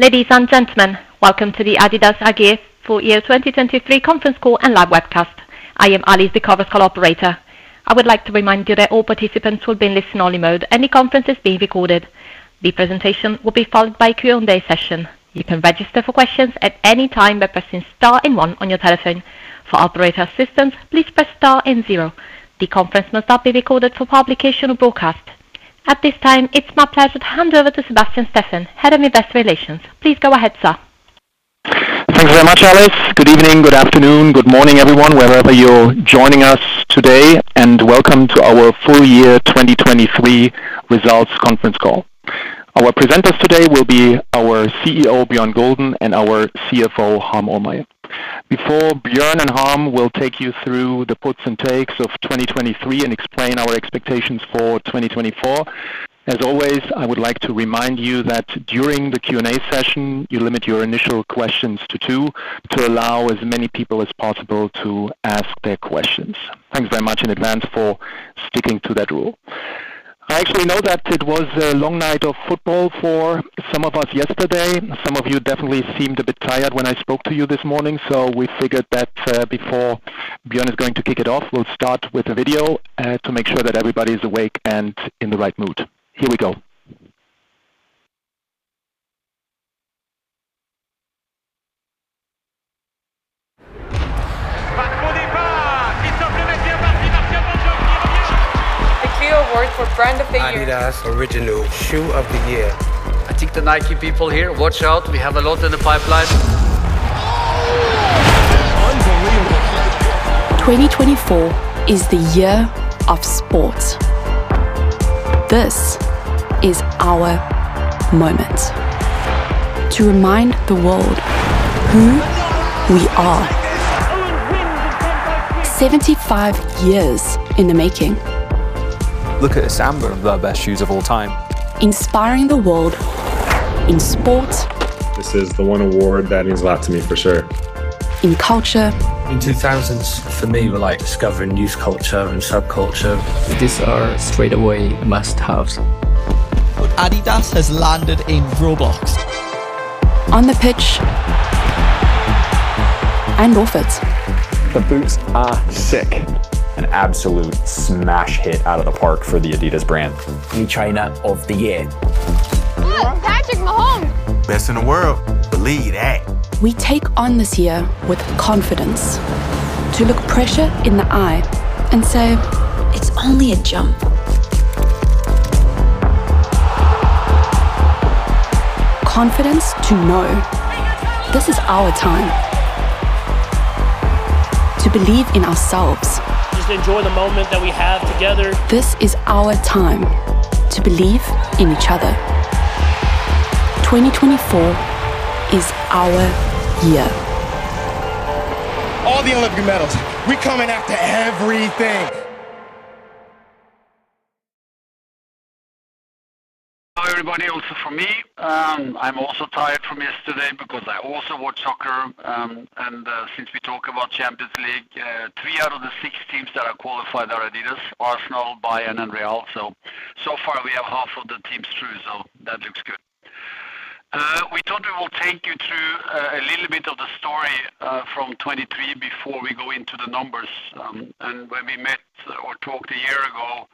Ladies and gentlemen, welcome to the Adidas AG Full Year 2023 conference call and live webcast. I am Alice, the conference call operator. I would like to remind you that all participants will be in listen-only mode, and the conference is being recorded. The presentation will be followed by a Q&A session. You can register for questions at any time by pressing star and one on your telephone. For operator assistance, please press star and zero. The conference may not be recorded for publication or broadcast. At this time, it's my pleasure to hand over to Sebastian Steffen, Head of Investor Relations. Please go ahead, sir. Thanks very much, Alice. Good evening, good afternoon, good morning, everyone, wherever you're joining us today, and welcome to our full year 2023 results conference call. Our presenters today will be our CEO, Bjørn Gulden, and our CFO, Harm Ohlmeyer. Before Bjørn and Harm will take you through the puts and takes of 2023 and explain our expectations for 2024, as always, I would like to remind you that during the Q&A session, you limit your initial questions to two, to allow as many people as possible to ask their questions. Thanks very much in advance for sticking to that rule. I actually know that it was a long night of football for some of us yesterday. Some of you definitely seemed a bit tired when I spoke to you this morning, so we figured that, before Bjørn is going to kick it off, we'll start with a video, to make sure that everybody is awake and in the right mood. Here we go. The Clio Award for Brand of the Year. Adidas Originals Shoe of the Year. I think the Nike people here, watch out, we have a lot in the pipeline. Unbelievable! 2024 is the year of sports. This is our moment to remind the world who we are. 75 years in the making. Look at this Samba of the best shoes of all time. Inspiring the world in sport. This is the one award that means a lot to me, for sure. In culture. In 2000, for me, we're, like, discovering youth culture and subculture. These are straightaway must-haves. Adidas has landed in Roblox. On the pitch and off it. The boots are sick. An absolute smash hit out of the park for the Adidas brand. The Trainer of the Year. Oh, Patrick Mahomes! Best in the world. Believe that. We take on this year with confidence to look pressure in the eye and say, "It's only a jump." Confidence to know this is our time to believe in ourselves. Just enjoy the moment that we have together. This is our time to believe in each other. 2024 is our year. All the Olympic medals, we're coming after everything! Hi, everybody, also from me. I'm also tired from yesterday because I also watch soccer, and since we talk about Champions League, three out of the six teams that are qualified are Adidas, Arsenal, Bayern, and Real. So, so far, we have half of the teams through, so that looks good. We thought we will take you through a little bit of the story from 2023 before we go into the numbers. And when we met or talked a year ago,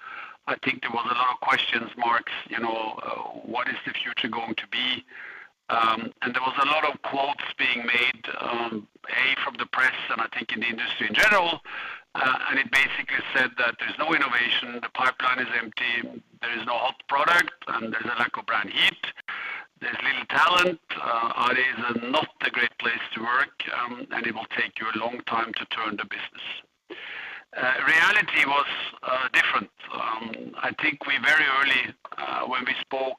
I think there was a lot of question marks, you know, what is the future going to be? And there was a lot of quotes being made from the press and I think in the industry in general, and it basically said that there's no innovation, the pipeline is empty, there is no hot product, and there's a lack of brand heat. There's little talent, Adidas is not a great place to work, and it will take you a long time to turn the business. Reality was different. I think we very early, when we spoke,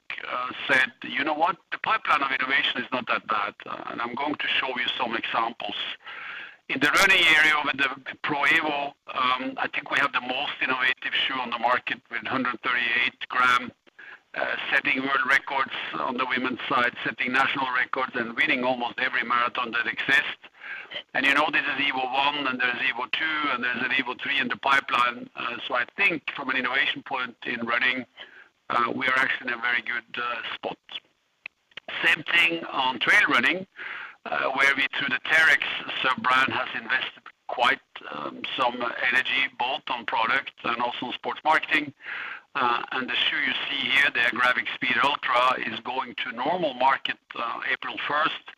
said, "You know what? The pipeline of innovation is not that bad," and I'm going to show you some examples. In the running area, with the Adios Pro Evo, I think we have the most innovative shoe on the market, with 138-gram, setting world records on the women's side, setting national records, and winning almost every marathon that exists. And you know, this is Evo 1, and there's Evo 2, and there's an Evo 3 in the pipeline. So I think from an innovation point in running, we are actually in a very good spot. Same thing on trail running, where we, through the Terrex sub-brand, has invested quite some energy, both on product and also sports marketing. And the shoe you see here, the Agravic Speed Ultra, is going to normal market, 1 April 2023,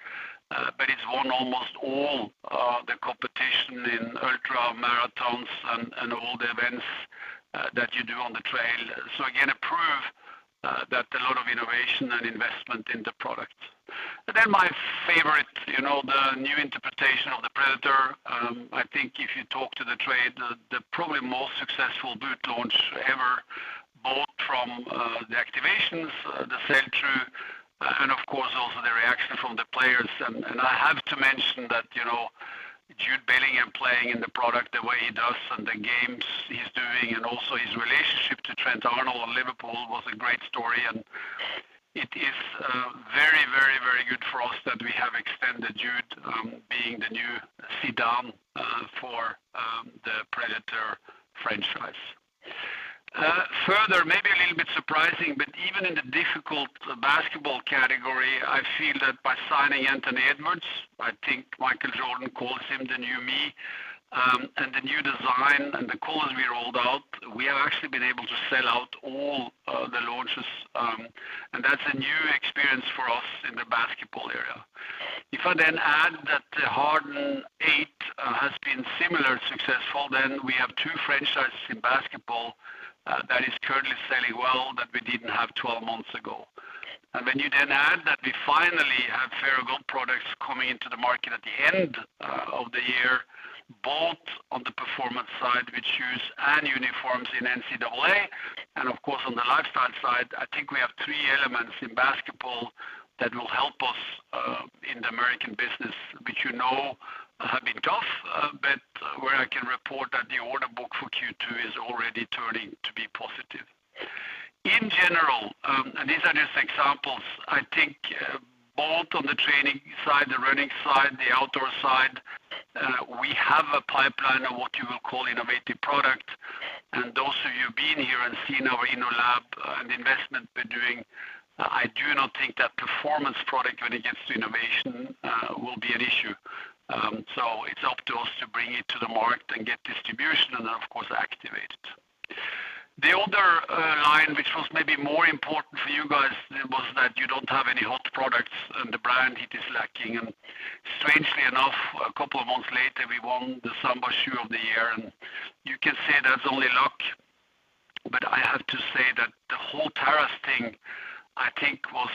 but it's won almost all the competition in ultra-marathons and all the events that you do on the trail. So again, a proof that a lot of innovation and investment in the product. And then my favorite, you know, the new interpretation of the Predator. I think if you talk to the trade, the probably most successful boot launch ever, both from the activations, the sell-through, and of course, also the reaction from the players. And I have to mention that, you know, Jude Bellingham playing in the product the way he does and the games he's doing, and also his relationship to Trent Alexander-Arnold and Liverpool, was a great story, and it is very, very, very good for us that we have extended Jude, being the new face of the franchise. Further, maybe a little bit surprising, but even in the difficult basketball category, I feel that by signing Anthony Edwards, I think Michael Jordan calls him the new me, and the new design and the colors we rolled out, we have actually been able to sell out all, the launches, and that's a new experience for us in the basketball area. If I then add that the Harden eight, has been similar successful, then we have two franchises in basketball, that is currently selling well, that we didn't have 12 months ago. When you then add that we finally have Fear of God products coming into the market at the end of the year, both on the performance side with shoes and uniforms in NCAA and of course, on the lifestyle side, I think we have three elements in basketball that will help us in the American business, which, you know, have been tough, but where I can report that the order book for second quarter is already turning to be positive. In general, and these are just examples, I think both on the training side, the running side, the outdoor side, we have a pipeline of what you will call innovative product. And those of you who've been here and seen our inner lab, and the investment we're doing, I do not think that performance product when it gets to innovation will be an issue. So it's up to us to bring it to the market and get distribution and then, of course, activate it. The other line, which was maybe more important for you guys, was that you don't have any hot products and the brand heat is lacking. And strangely enough, a couple of months later, we won the Samba Shoe of the Year, and you can say that's only luck. But I have to say that the whole Terrace thing, I think was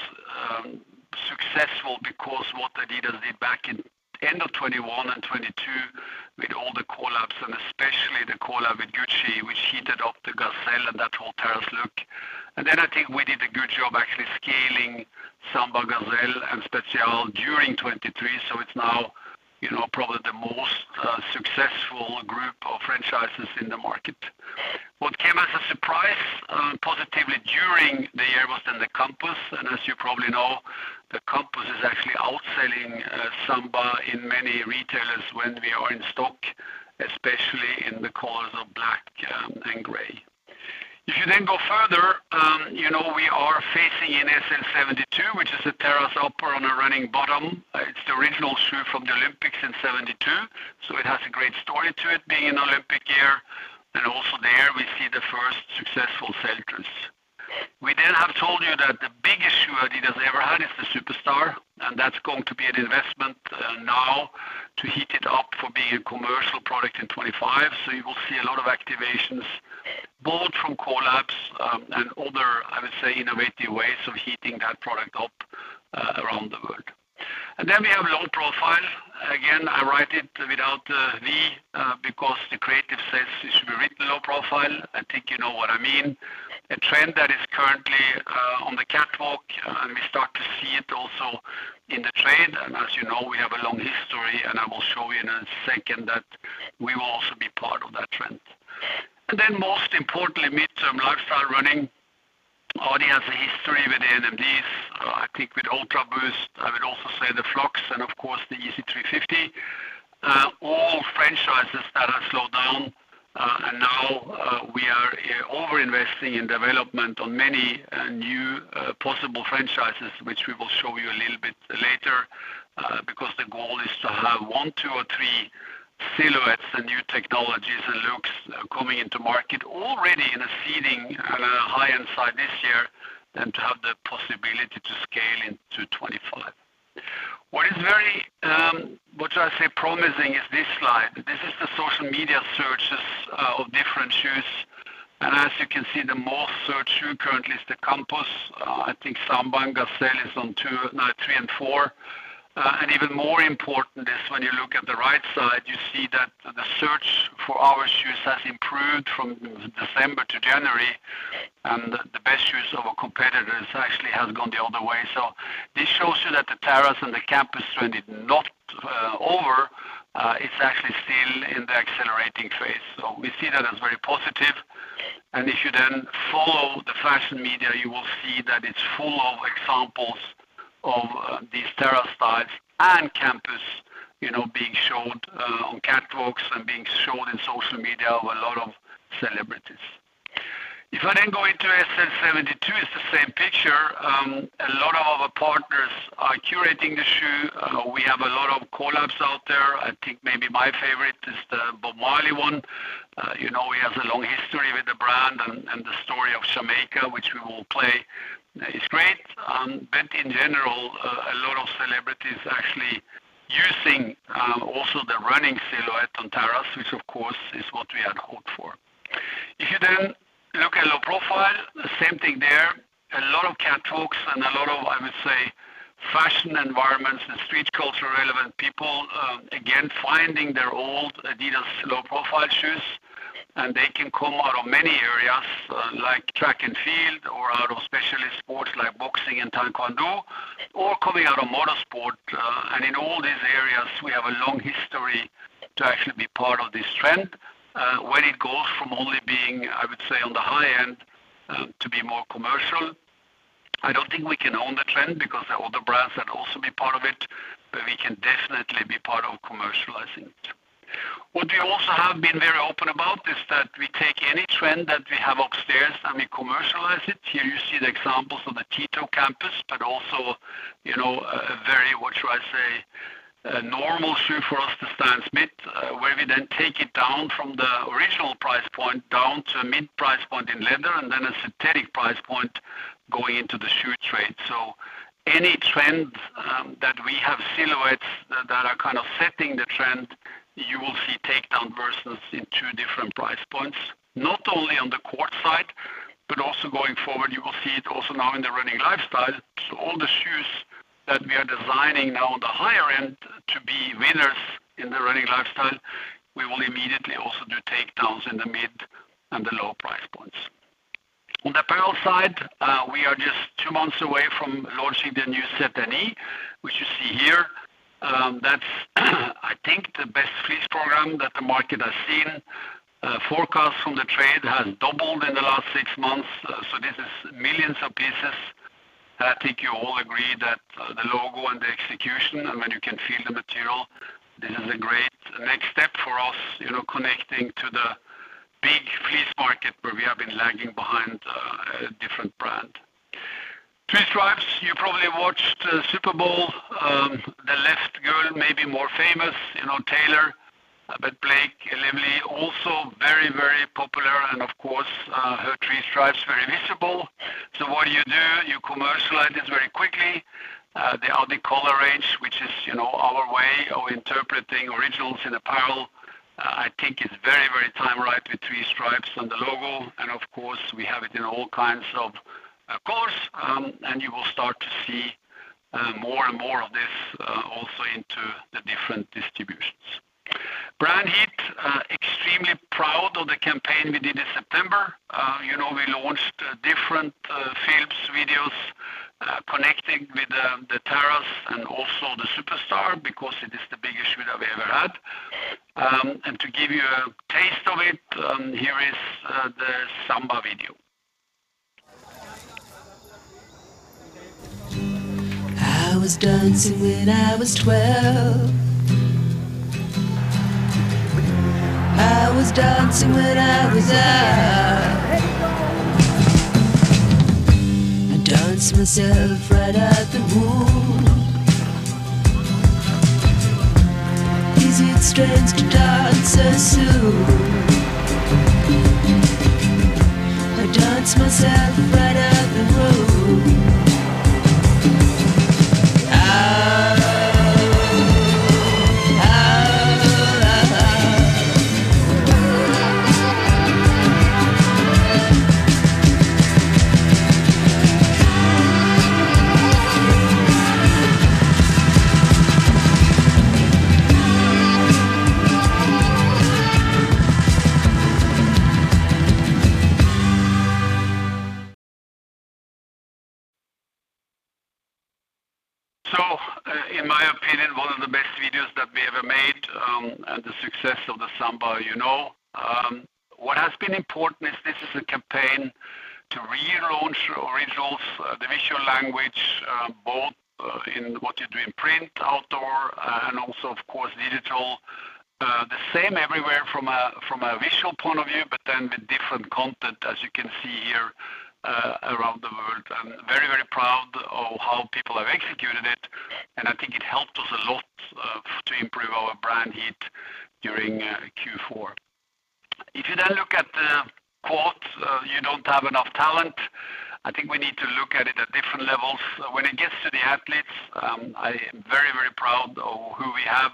successful because what adidas did back in end of 2021 and 2022, with all the collabs, and especially the collab with Gucci, which heated up the Gazelle and that whole Terrace look. And then I think we did a good job actually scaling Samba Gazelle and Spezial during 2023. So it's now, you know, probably the most successful group of franchises in the market. What came as a surprise positively during the year, was then the Campus and as you probably know, the Campus is actually outselling Samba in many retailers when we are in stock, especially in the colors of black and gray. If you then go further, you know, we are facing in SL 72, which is a Terrace upper on a running bottom. It's the original shoe from the Olympics in 1972, so it has a great story to it being an Olympic year. Also there we see the first successful sellers. We then have told you that the biggest shoe adidas ever had is the Superstar, and that's going to be an investment, now to heat it up for being a commercial product in 25. So you will see a lot of activations, both from collabs, and other, I would say, innovative ways of heating that product up, around the world. Then we have Low Profile. Again, I write it without, the V, because the creative says it should be written Low Profile. I think you know what I mean. A trend that is currently, on the catwalk, and we start to see it also in the trade. And as you know, we have a long history, and I will show you in a second that we will also be part of that trend. And then most importantly, mid-term lifestyle running. Already has a history with the NMDs, I think with Ultra Boost. I would also say the Flux and of course, the Yeezy 350. All franchises that are slowed down, and now, we are over-investing in development on many, new, possible franchises, which we will show you a little bit later, because the goal is to have one, two, or three silhouettes and new technologies and looks coming into market already in a seeding, high-end side this year, and to have the possibility to scale into 25. What is very, what should I say, promising is this slide. This is the social media searches of different shoes. And as you can see, the most searched shoe currently is the Campus. I think Samba and Gazelle is on two, no, three and four. And even more important is when you look at the right side, you see that the search for our shoes has improved from December to January, and the best shoes of our competitors actually has gone the other way. So this shows you that the Terrace and the Campus trend is not over, it's actually still in the accelerating phase. So we see that as very positive. And if you then follow the fashion media, you will see that it's full of examples of these Terrace styles and Campus, you know, being showed on catwalks and being shown in social media of a lot of celebrities. If I then go into SL 72, it's the same picture. A lot of our partners are curating the shoe. We have a lot of collabs out there. I think maybe my favorite is the Bob Marley one. You know, we have a long history with the brand and, and the story of Jamaica, which we will play is great. But in general, a lot of celebrities actually using also the running silhouette on Terrace, which of course, is what we had hoped for. If you then look at Low Profile, the same thing there, a lot of cat walks and a lot of, I would say, fashion environments and street culture, relevant people, again, finding their old adidas Low Profile shoes, and they can come out of many areas, like track and field or out of specialist sports like boxing and taekwondo, or coming out of motorsport. And in all these areas, we have a long history to actually be part of this trend. Where it goes from only being, I would say, on the high end, to be more commercial. I don't think we can own the trend because other brands can also be part of it, but we can definitely be part of commercializing it. What we also have been very open about is that we take any trend that we have upstairs, and we commercialize it. Here you see the examples of the Tier 2 Campus, but also, you know, a very, what should I say? A normal shoe for us, the Stan Smith, where we then take it down from the original price point down to a mid-price point in leather, and then a synthetic price point going into the shoe trade. So any trends, that we have silhouettes that are kind of setting the trend, you will see takedown versions in two different price points, not only on the court side, but also going forward, you will see it also now in the running lifestyle. So all the shoes that we are designing now on the higher end to be winners in the running lifestyle, we will immediately also do takedowns in the mid and the lower price points. On the apparel side, we are just two months away from launching the new Set-En-E, which you see here. That's, I think the best fleece program that the market has seen. Forecast from the trade has doubled in the last six months, so this is millions of pieces. I think you all agree that, the logo and the execution, and when you can feel the material, this is a great next step for us, you know, connecting to the big fleece market where we have been lagging behind, a different brand. Three Stripes, you probably watched the Super Bowl. The left girl may be more famous, you know, Taylor, but Blake Lively, also very, very popular, and of course, her three stripes, very visible. So what do you do? You commercialize this very quickly. The Adicolor range, which is, you know, our way of interpreting Originals in apparel, I think is very, very time ripe with three stripes on the logo. And of course, we have it in all kinds of, of course, and you will start to see more and more of this also into the different distributions. Brand heat, extremely proud of the campaign we did in September. You know, we launched different films, videos connecting with the Terrace and also the Superstar, because it is the biggest shoe that we ever had. To give you a taste of it, here is the Samba video. I was dancing when I was twelve. I was dancing when I was nine. I danced myself right out the room. Is it strange to dance so soon? I danced myself right out the room. Oh, oh, oh, oh. So, in my opinion, one of the best videos that we ever made, and the success of the Samba, you know. What has been important is this is a campaign to relaunch Originals, the visual language, both in what you do in print, outdoor, and also, of course, digital. The same everywhere from a, from a visual point of view, but then with different content, as you can see here, around the world. I'm very, very proud of how people have executed it, and I think it helped us a lot to improve our brand heat during fourth quarter. If you then look at the quotes, "You don't have enough talent," I think we need to look at it at different levels. When it gets to the athletes, I am very, very proud of who we have.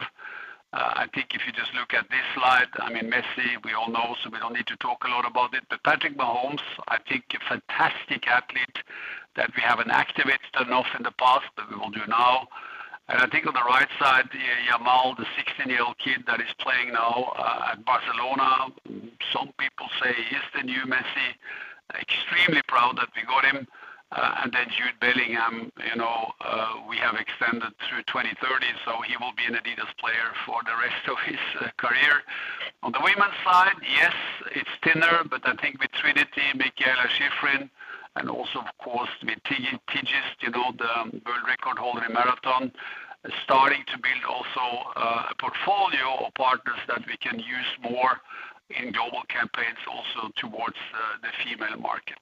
I think if you just look at this slide, I mean, Messi, we all know, so we don't need to talk a lot about it. But Patrick Mahomes, I think, a fantastic athlete that we haven't activated enough in the past, but we will do now. And I think on the right side, Yamal, the 16-year-old kid that is playing now at Barcelona. Some people say he's the new Messi. Extremely proud that we got him. And then Jude Bellingham, you know, we have extended through 2030, so he will be an adidas player for the rest of his career. On the women's side, yes, it's thinner, but I think with Trinity, Mikaela Shiffrin, and also, of course, with Tigst, you know, the world record holder in marathon, starting to build also a portfolio of partners that we can use more in global campaigns also towards the female market.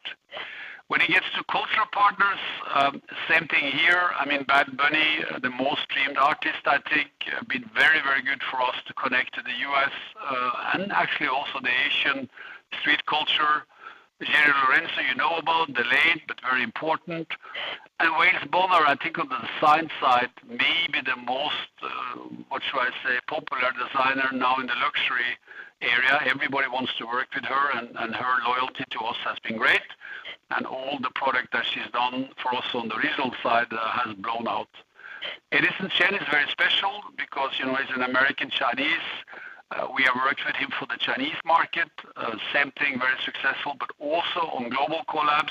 When it gets to cultural partners, same thing here. I mean, Bad Bunny, the most streamed artist, I think, has been very, very good for us to connect to the US, and actually also the Asian street culture. Jerry Lorenzo, you know about, delayed, but very important. And Wales Bonner, I think on the Samba side, maybe the most, what should I say? Popular designer now in the luxury area. Everybody wants to work with her, and her loyalty to us has been great, and all the product that she's done for us on the results side has blown out. Edison Chen is very special because, you know, he's an American-Chinese. We have worked with him for the Chinese market. Same thing, very successful, but also on global collabs,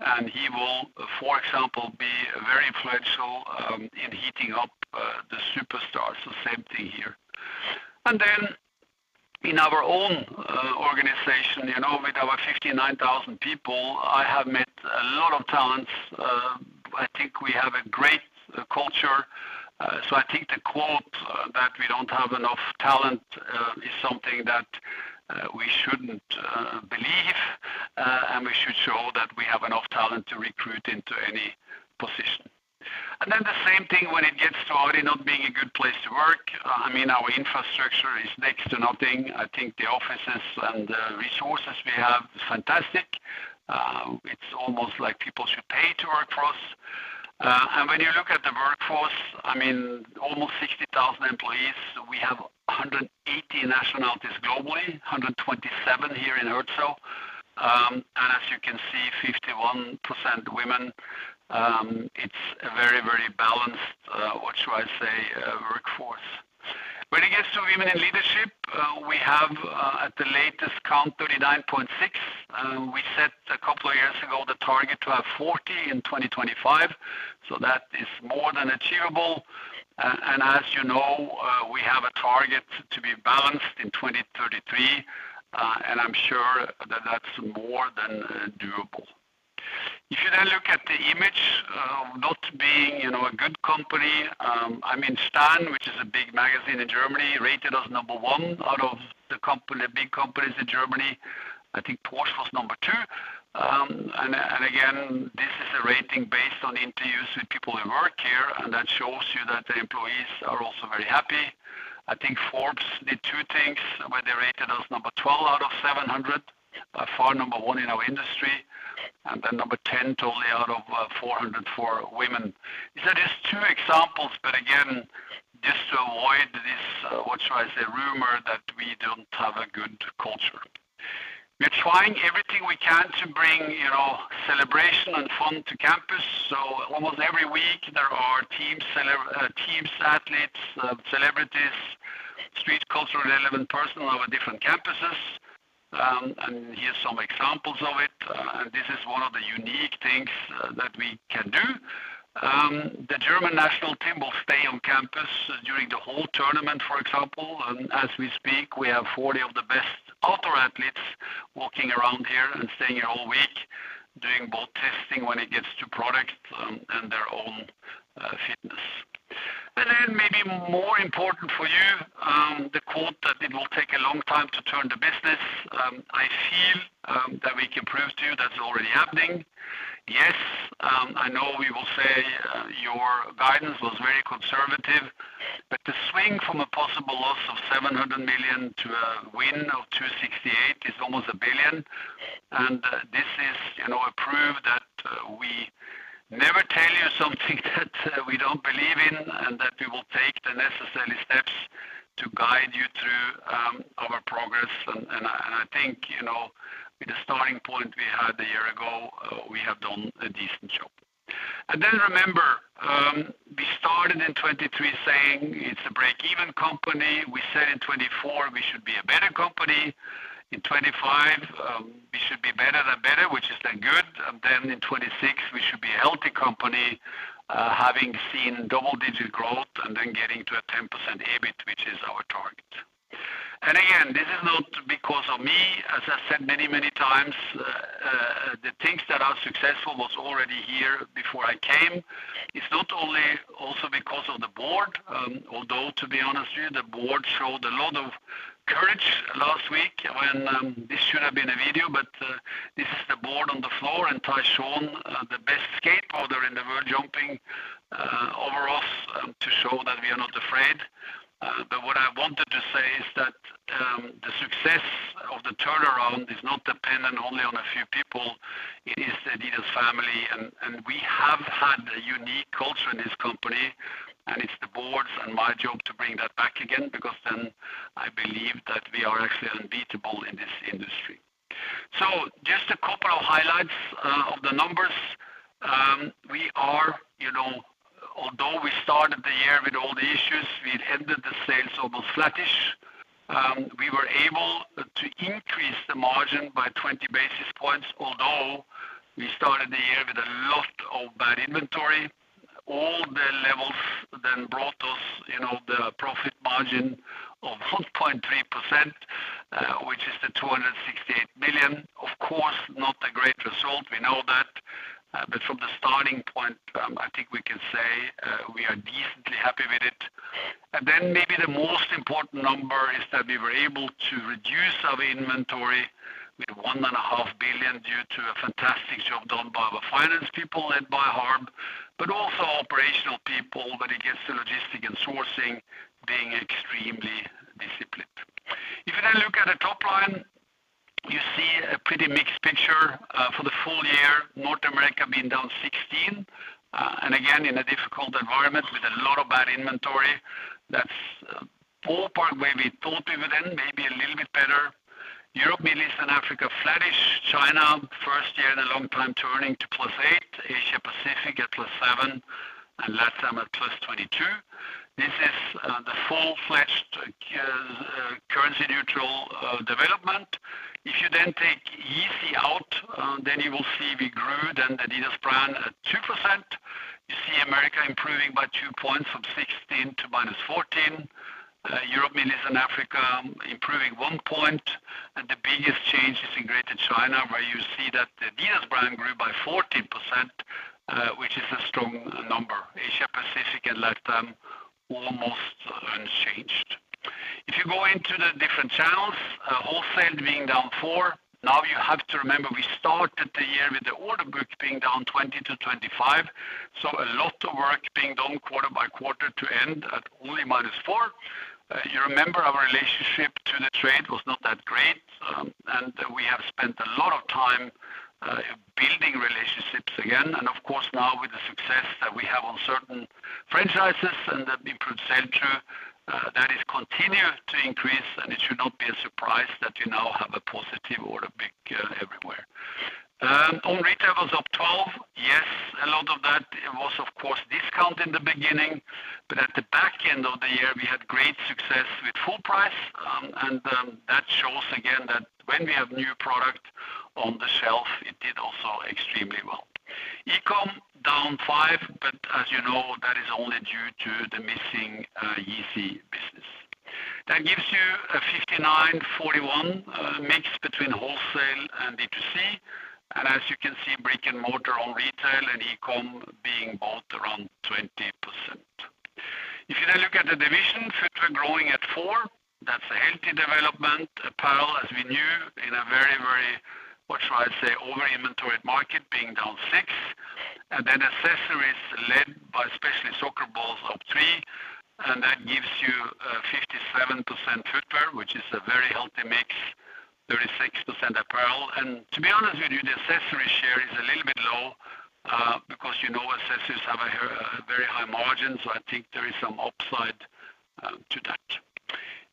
and he will, for example, be very influential in heating up the Superstar. So same thing here. Then in our own organization, you know, with our 59,000 people, I have met a lot of talents. I think we have a great culture. So I think the quote that we don't have enough talent is something that we shouldn't believe. And we should show that we have enough talent to recruit into any position. Then the same thing when it gets to adidas not being a good place to work. I mean, our infrastructure is next to nothing. I think the offices and the resources we have is fantastic. It's almost like people should pay to work for us. And when you look at the workforce, I mean, almost 60,000 employees. We have 180 nationalities globally, 127 here in Herzogenaurach. And as you can see, 51% women. It's a very, very balanced, what should I say, workforce. When it gets to women in leadership, we have at the latest, count 39.6. We set a couple of years ago the target to have 40 in 2025, so that is more than achievable. As you know, we have a target to be balanced in 2033, and I'm sure that that's more than doable. If you then look at the image, not being, you know, a good company, I mean, Stern, which is a big magazine in Germany, rated us number one out of the company, big companies in Germany. I think Porsche was number two. And again, this is a rating based on interviews with people who work here, and that shows you that the employees are also very happy. I think Forbes did two things, where they rated us number 12 out of 700, far number one in our industry, and then number 10 totally out of 400 for women. These are just two examples, but again, just to avoid this, what should I say, rumor, that we don't have a good culture. We're trying everything we can to bring, you know, celebration and fun to campus. So almost every week there are teams, athletes, celebrities, street culture-relevant personnel on our different campuses. And here's some examples of it, and this is one of the unique things that we can do. The German national team will stay on campus during the whole tournament, for example, and as we speak, we have 40 of the best outdoor athletes walking around here and staying here all week, doing both testing when it gets to products, and their own fitness. And then maybe more important for you, the quote, that it will take a long time to turn the business. I feel that we can prove to you that's already happening. Yes, I know we will say your guidance was very conservative, but the swing from a possible loss of 700 million to a win of 268 million is almost 1 billion. And this is, you know, a proof that we never tell you something that we don't believe in, and that we will take the necessary steps to guide you through our progress. And I think, you know, with the starting point we had a year ago, we have done a decent job. And then remember, we started in 2023 saying, it's a break-even company. We said in 2024, we should be a better company. In 2025, we should be better and better, which is then good. And then in 2026, we should be a healthy company, having seen double-digit growth and then getting to a 10% EBIT, which is our target. And again, this is not because of me. As I said many, many times, the things that are successful was already here before I came. It's not only also because of the board, although, to be honest with you, the board showed a lot of courage last week when this should have been a video, but this is the board on the floor, and Tyshawn, the best skateboarder in the world, jumping over us to show that we are not afraid. But what I wanted to say is that, the success of the turnaround is not dependent only on a few people, it is adidas family, and, and we have had a unique culture in this company, and it's the board's and my job to bring that back again, because then I believe that we are actually unbeatable in this industry. So just a couple of highlights of the numbers. We are, you know, although we started the year with all the issues, we'd ended the sales almost flattish. We were able to increase the margin by 20 basis points, although we started the year with a lot of bad inventory. All the levels then brought us, you know, the profit margin of 1.3%, which is the 268 billion. Of course, not a great result, we know that, but from the starting point, I think we can say, we are decently happy with it. And then maybe the most important number is that we were able to reduce our inventory with 1.5 billion due to a fantastic job done by our finance people and by Harm, but also operational people when it gets to logistics and sourcing, being extremely disciplined. If you then look at the top line, you see a pretty mixed picture, for the full year, North America being down 16%. And again, in a difficult environment with a lot of bad inventory, that's the part where we thought even then, maybe a little bit better. Europe, Middle East and Africa, flattish. China, first year in a long time, turning to positive 8%, Asia Pacific at positive 7%, and LATAM at positive 22%. This is the full-fledged currency neutral development. If you then take Yeezy out, then you will see we grew the Adidas brand at 2% in America improving by two points from 16% to negative 14%. Europe, Middle East, and Africa improving one point, and the biggest change is in Greater China, where you see that the Adidas brand grew by 14%, which is a strong number. Asia Pacific and LATAM, almost unchanged. If you go into the different channels, wholesale being down 4%. Now, you have to remember, we started the year with the order book being down 20% to 25%, so a lot of work being done quarter by quarter to end at only negative 4%. You remember our relationship to the trade was not that great, and we have spent a lot of time building relationships again. And of course, now with the success that we have on certain franchises and the improved center, that is continued to increase, and it should not be a surprise that you now have a positive order book everywhere. Own retail was up 12%. Yes, a lot of that was, of course, discount in the beginning, but at the back end of the year, we had great success with full price. And that shows again that when we have new product on the shelf, it did also extremely well. E-com down 5%, but as you know, that is only due to the missing Yeezy business. That gives you a 59 to 41 mix between wholesale and D2C, and as you can see, brick-and-mortar on retail and e-com being both around 20%. If you then look at the division, footwear growing at 4%, that's a healthy development. Apparel, as we knew, in a very, very, what should I say, over-inventoried market, being down 6%. And then accessories led by especially soccer balls of 3%, and that gives you a 57% footwear, which is a very healthy mix, 36% apparel. And to be honest with you, the accessory share is a little bit low, because you know, accessories have a very high margin, so I think there is some upside, to that.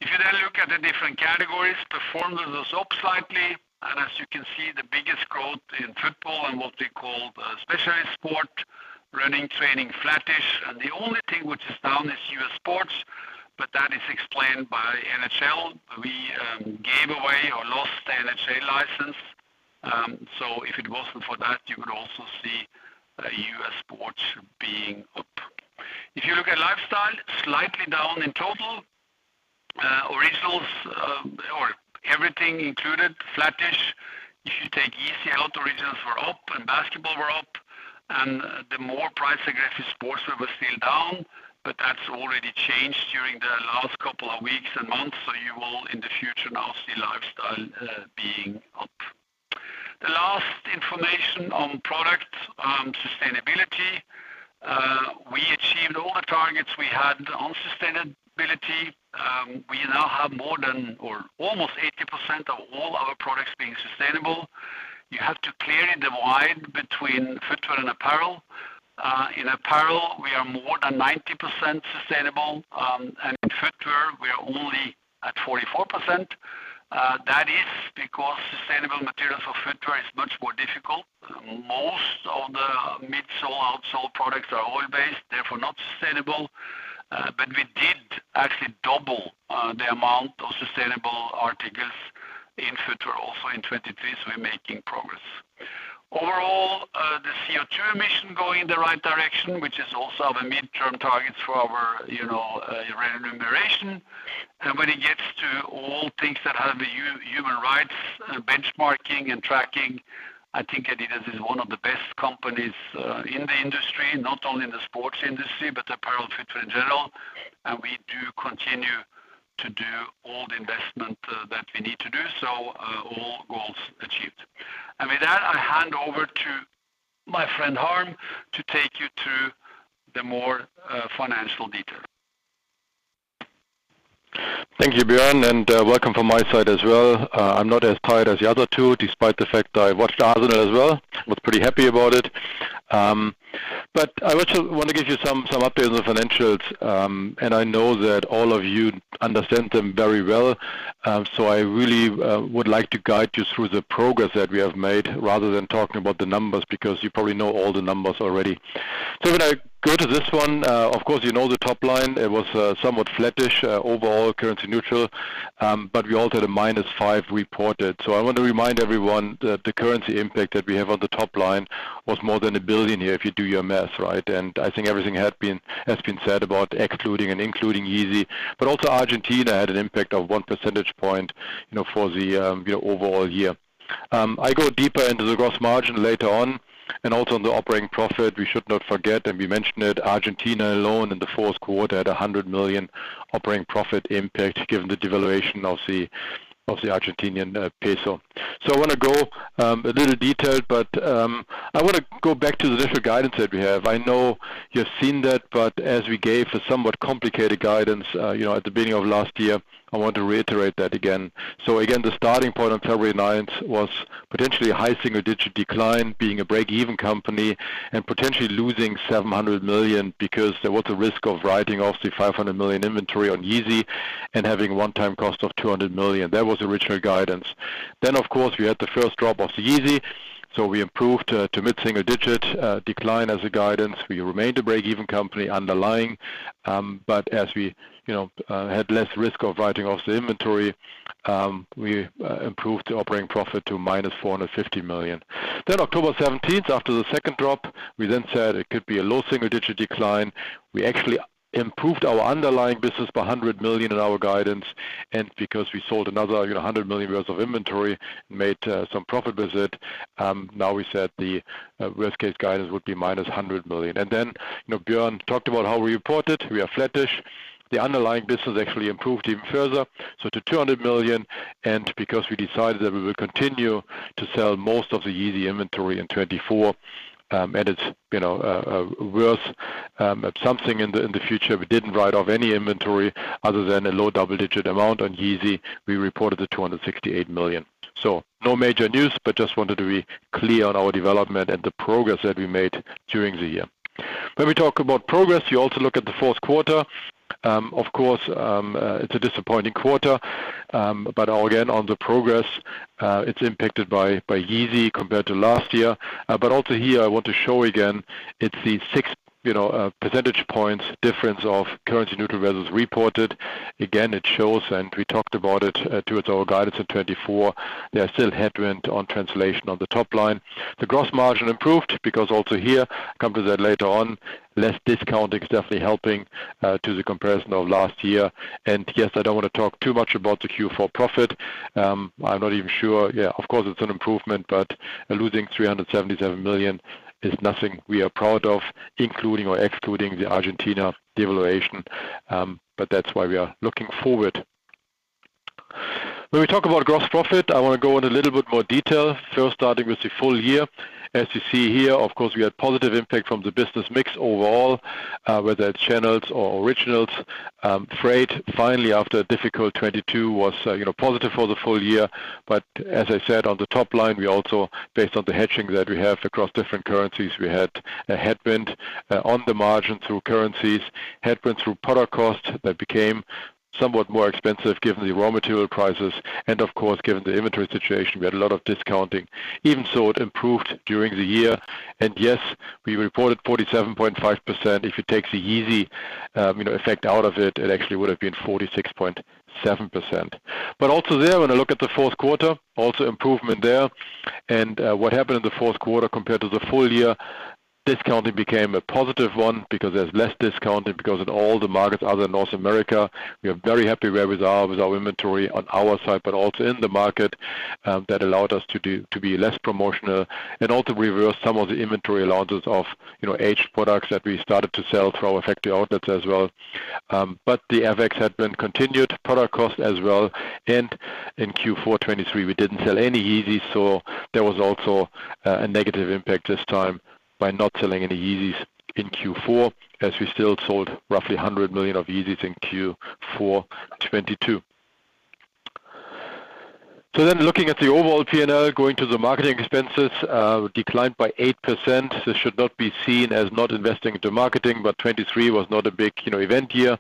If you then look at the different categories, performance is up slightly, and as you can see, the biggest growth in football and what we call specialist sport, running, training, flattish. The only thing which is down is US sports, but that is explained by NHL. We gave away or lost the NHL license. So if it wasn't for that, you would also see US sports being up. If you look at lifestyle, slightly down in total. Originals, or everything included, flattish. If you take Yeezy out, Originals were up and basketball were up, and the more price-aggressive sportswear was still down, but that's already changed during the last couple of weeks and months. So you will, in the future, now see lifestyle being up. The last information on product sustainability. We achieved all the targets we had on sustainability. We now have more than, or almost 80% of all our products being sustainable. You have to clearly divide between footwear and apparel. In apparel, we are more than 90% sustainable. And in footwear, we are only at 44%. That is because sustainable materials for footwear is much more difficult. Most of the mid sole, out sole products are oil-based, therefore not sustainable. But we did actually double the amount of sustainable articles in footwear also in 2023, so we're making progress. Overall, the CO2 emission going in the right direction, which is also the midterm targets for our, you know, remuneration. And when it gets to all things that have a human rights, benchmarking and tracking, I think adidas is one of the best companies, in the industry, not only in the sports industry, but apparel and footwear in general. And we do continue to do all the investment, that we need to do, so, all goals achieved. And with that, I hand over to my friend, Harm, to take you through the more, financial detail. Thank you, Bjørn, and welcome from my side as well. I'm not as tired as the other two, despite the fact that I watched Arsenal as well. Was pretty happy about it. But I also wanna give you some updates on the financials, and I know that all of you understand them very well. So I really would like to guide you through the progress that we have made, rather than talking about the numbers, because you probably know all the numbers already. So when I go to this one, of course, you know the top line, it was somewhat flattish overall, currency neutral, but we also had a negative five reported. So I want to remind everyone that the currency impact that we have on the top line was more than 1 billion here, if you do your math, right? And I think everything had been has been said about excluding and including Yeezy, but also Argentina had an impact of one percentage point, you know, for the you know overall year. I go deeper into the gross margin later on and also on the operating profit. We should not forget, and we mentioned it, Argentina alone in the fourth quarter had a 100 million operating profit impact, given the devaluation of the Argentine peso. So I wanna go a little detailed, but I wanna go back to the initial guidance that we have. I know you have seen that, but as we gave a somewhat complicated guidance, you know, at the beginning of last year, I want to reiterate that again. So again, the starting point on 9 February 2024 was potentially a high single-digit decline, being a break-even company, and potentially losing 700 million because there was a risk of writing off the 500 million inventory on Yeezy and having a one-time cost of 200 million. That was original guidance. Then, of course, we had the first drop of the Yeezy, so we improved to mid single-digit decline as a guidance. We remained a break-even company underlying, but as we, you know, had less risk of writing off the inventory, we improved the operating profit to negative 450 million. Then 17 October 2023, after the second drop, we then said it could be a low single-digit decline. We actually improved our underlying business by 100 million in our guidance, and because we sold another, you know, 100 million euros of inventory, made some profit with it. Now we said the worst-case guidance would be negative 100 million. And then, you know, Bjørn talked about how we report it. We are flattish. The underlying business actually improved even further, so to 200 million, and because we decided that we will continue to sell most of the Yeezy inventory in 2024, and it's, you know, worth something in the future. We didn't write off any inventory other than a low double-digit amount on Yeezy. We reported the 268 million. So no major news, but just wanted to be clear on our development and the progress that we made during the year. When we talk about progress, you also look at the fourth quarter. Of course, it's a disappointing quarter, but again, on the progress, it's impacted by, by Yeezy compared to last year. But also here, I want to show again, it's the 6, you know, percentage points difference of currency neutral versus reported. Again, it shows, and we talked about it, towards our guidance in 2024, there are still headwind on translation on the top line. The gross margin improved because also here, come to that later on, less discounting is definitely helping to the comparison of last year. And yes, I don't want to talk too much about the fourth quarter profit. I'm not even sure. Yeah, of course, it's an improvement, but losing 377 million is nothing we are proud of, including or excluding the Argentina devaluation. But that's why we are looking forward. When we talk about gross profit, I want to go in a little bit more detail. First, starting with the full year. As you see here, of course, we had positive impact from the business mix overall, whether it's channels or originals. Freight, finally, after a difficult 2022 was, you know, positive for the full year. But as I said, on the top line, we also, based on the hedging that we have across different currencies, we had a headwind on the margin through currencies, headwind through product costs that became somewhat more expensive given the raw material prices and of course, given the inventory situation, we had a lot of discounting, even so it improved during the year. And yes, we reported 47.5%. If you take the Yeezy, you know, effect out of it, it actually would have been 46.7%. But also there, when I look at the fourth quarter, also improvement there. What happened in the fourth quarter compared to the full year, discounting became a positive one because there's less discounting, because in all the markets other than North America, we are very happy where we are with our inventory on our side, but also in the market. That allowed us to be less promotional and also reverse some of the inventory launches of, you know, aged products that we started to sell through our factory outlets as well. But the FX headwind continued, product cost as well, and in fourth quarter 2023, we didn't sell any Yeezy, so there was also a negative impact this time by not selling any Yeezys in fourth quarter, as we still sold roughly 100 million of Yeezys in fourth quarter 2022. Looking at the overall P&L, going to the marketing expenses, declined by 8%. This should not be seen as not investing into marketing, but 2023 was not a big, you know, event year.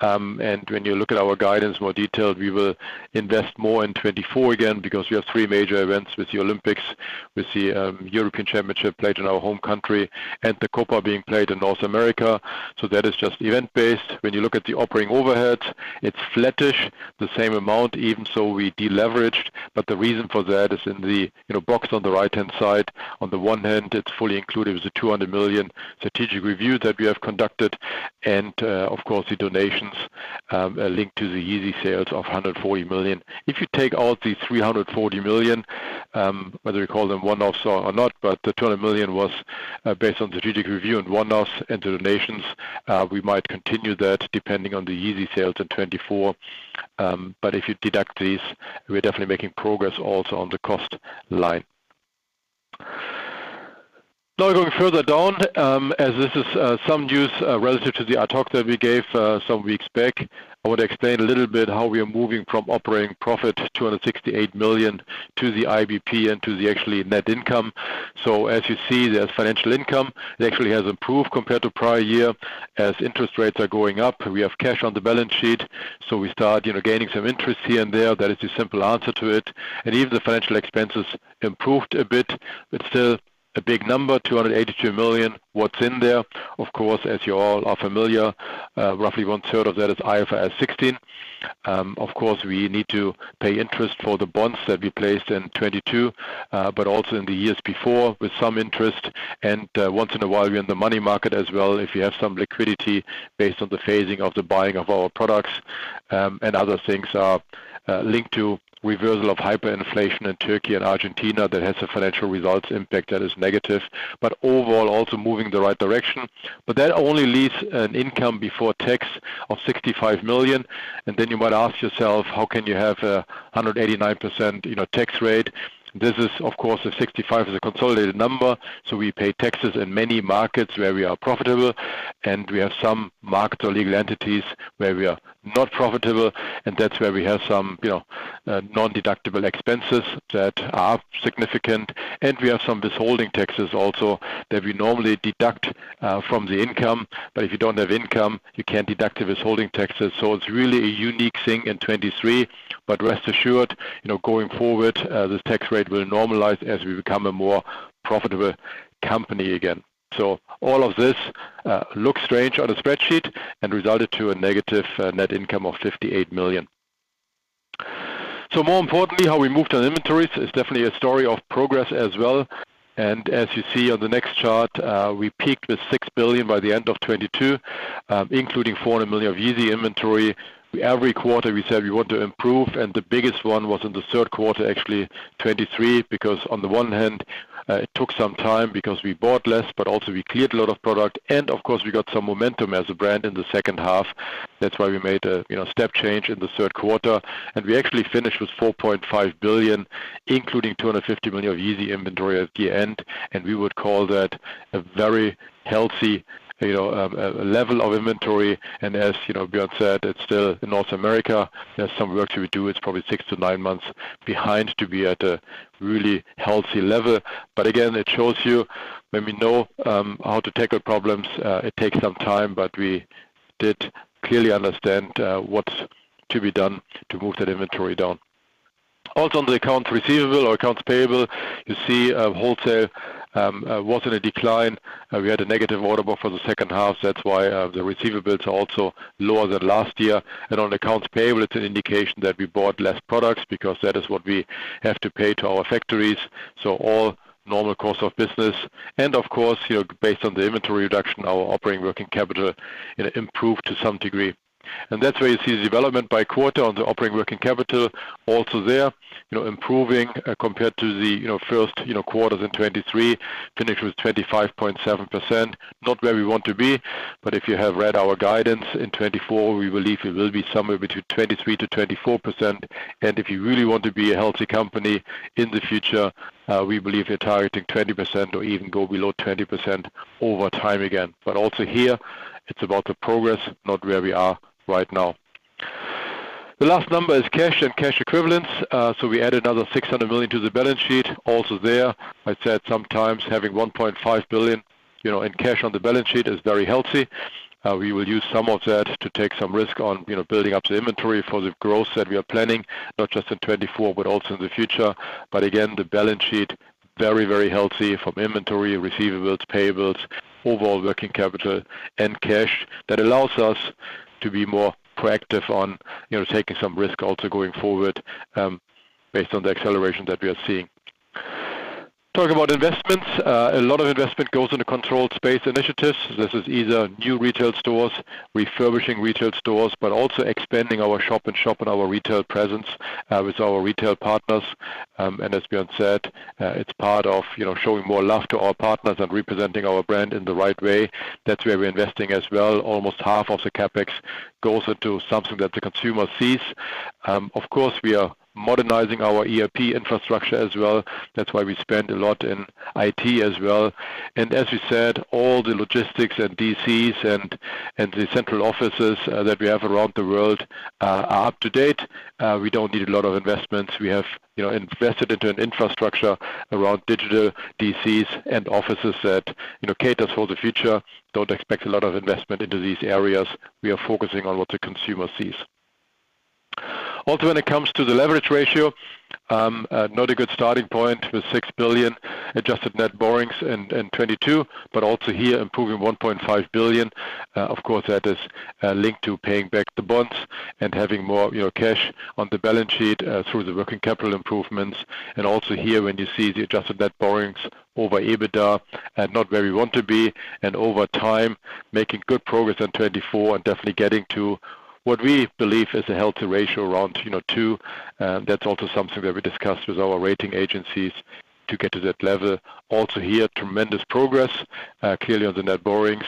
And when you look at our guidance, more detailed, we will invest more in 2024 again, because we have three major events with the Olympics, with the European Championship played in our home country and the Copa being played in North America. So that is just event-based. When you look at the operating overhead, it's flattish, the same amount, even so we deleveraged. But the reason for that is in the, you know, box on the right-hand side. On the one hand, it's fully included with the 200 million strategic review that we have conducted and, of course, the donations linked to the Yeezy sales of 140 million. If you take out the 340 million, whether you call them one-offs or not, but the 200 million was based on strategic review and one-offs and the donations. We might continue that depending on the Yeezy sales in 2024. But if you deduct these, we're definitely making progress also on the cost line. Now, going further down, as this is some news relative to the talk that we gave some weeks back, I want to explain a little bit how we are moving from operating profit, 268 million, to the IBT and to the actually net income. So, as you see, there's financial income. It actually has improved compared to prior year. As interest rates are going up, we have cash on the balance sheet, so we start gaining some interest here and there. That is the simple answer to it. Even the financial expenses improved a bit, but still a big number, 282 million. What's in there? Of course, as you all are familiar, roughly 1/3 of that is IFRS 16. Of course, we need to pay interest for the bonds that we placed in 2022, but also in the years before, with some interest. Once in a while, we're in the money market as well. If you have some liquidity based on the phasing of the buying of our products, and other things are linked to reversal of hyperinflation in Turkey and Argentina, that has a financial results impact that is negative, but overall, also moving in the right direction. That only leaves an income before tax of 65 million. Then you might ask yourself, how can you have a 189% tax rate, you know? This is, of course, the 65 is a consolidated number, so we pay taxes in many markets where we are profitable, and we have some market or legal entities where we are not profitable, and that's where we have some, you know, non-deductible expenses that are significant. And we have some withholding taxes also that we normally deduct from the income, but if you don't have income, you can't deduct the withholding taxes. So it's really a unique thing in 2023. But rest assured, you know, going forward, this tax rate will normalize as we become a more profitable company again. So, all of this looks strange on a spreadsheet and resulted to a negative net income of 58 million. So more importantly, how we moved on inventories is definitely a story of progress as well. As you see on the next chart, we peaked with 6 billion by the end of 2022, including 400 million of Yeezy inventory. Every quarter, we said we want to improve, and the biggest one was in the third quarter, actually, 2023, because on the one hand, it took some time because we bought less, but also we cleared a lot of product. Of course, we got some momentum as a brand in the second half. That's why we made a, you know, step change in the third quarter. And we actually finished with 4.5 billion, including 250 million of Yeezy inventory at the end. And we would call that a very healthy, you know, level of inventory. As you know, Bjørn said, it's still in North America. There's some work to be do. It's probably six to nine months behind to be at a really healthy level. But again, it shows you when we know, you know, how to tackle problems, it takes some time, but we did clearly understand, what's to be done to move that inventory down. Also, on the account receivable or accounts payable, you see, wholesale was in a decline. We had a negative order book for the second half. That's why, the receivables are also lower than last year. And on accounts payable, it's an indication that we bought less products because that is what we have to pay to our factories. So, all normal course of business. Of course, you know, based on the inventory reduction, our operating working capital, it improved to some degree. That's where you see the development by quarter on the operating working capital. Also there, you know, improving, compared to the, you know, first, you know, quarters in 2023, finished with 25.7%. Not where we want to be, but if you have read our guidance in 2024, we believe it will be somewhere between 23% to 24%. And if you really want to be a healthy company in the future, we believe you're targeting 20% or even go below 20% over time again. But also here, it's about the progress, not where we are right now. The last number is cash and cash equivalents. So, we added another 600 million to the balance sheet. Also, there, I said sometimes having 1.5 billion, you know, in cash on the balance sheet is very healthy. We will use some of that to take some risk on, you know, building up the inventory for the growth that we are planning, not just in 2024, but also in the future. But again, the balance sheet, very, very healthy from inventory, receivables, payables, overall working capital and cash. That allows us to be more proactive on, you know, taking some risk also going forward, based on the acceleration that we are seeing. Talking about investments, a lot of investment goes into controlled space initiatives. This is either new retail stores, refurbishing retail stores, but also expanding our shop and shop and our retail presence, with our retail partners. And as Bjørn said, it's part of, you know, showing more love to our partners and representing our brand in the right way. That's where we're investing as well. Almost half of the CapEx goes into something that the consumer sees. Of course, we are modernizing our ERP infrastructure as well. That's why we spend a lot in IT as well. And as we said, all the logistics and DCs and the central offices that we have around the world are up to date. We don't need a lot of investments. We have, you know, invested into an infrastructure around digital DCs and offices that, you know, caters for the future. Don't expect a lot of investment into these areas. We are focusing on what the consumer sees. Also, when it comes to the leverage ratio, not a good starting point with 6 billion adjusted net borrowings in 2022, but also here, improving 1.5 billion. Of course, that is linked to paying back the bonds and having more, you know, cash on the balance sheet through the working capital improvements. And also here, when you see the adjusted net borrowings over EBITDA and not where we want to be, and over time, making good progress in 2024 and definitely getting to what we believe is a healthy ratio around, you know, 2. That's also something that we discussed with our rating agencies to get to that level. Also here, tremendous progress clearly on the net borrowings.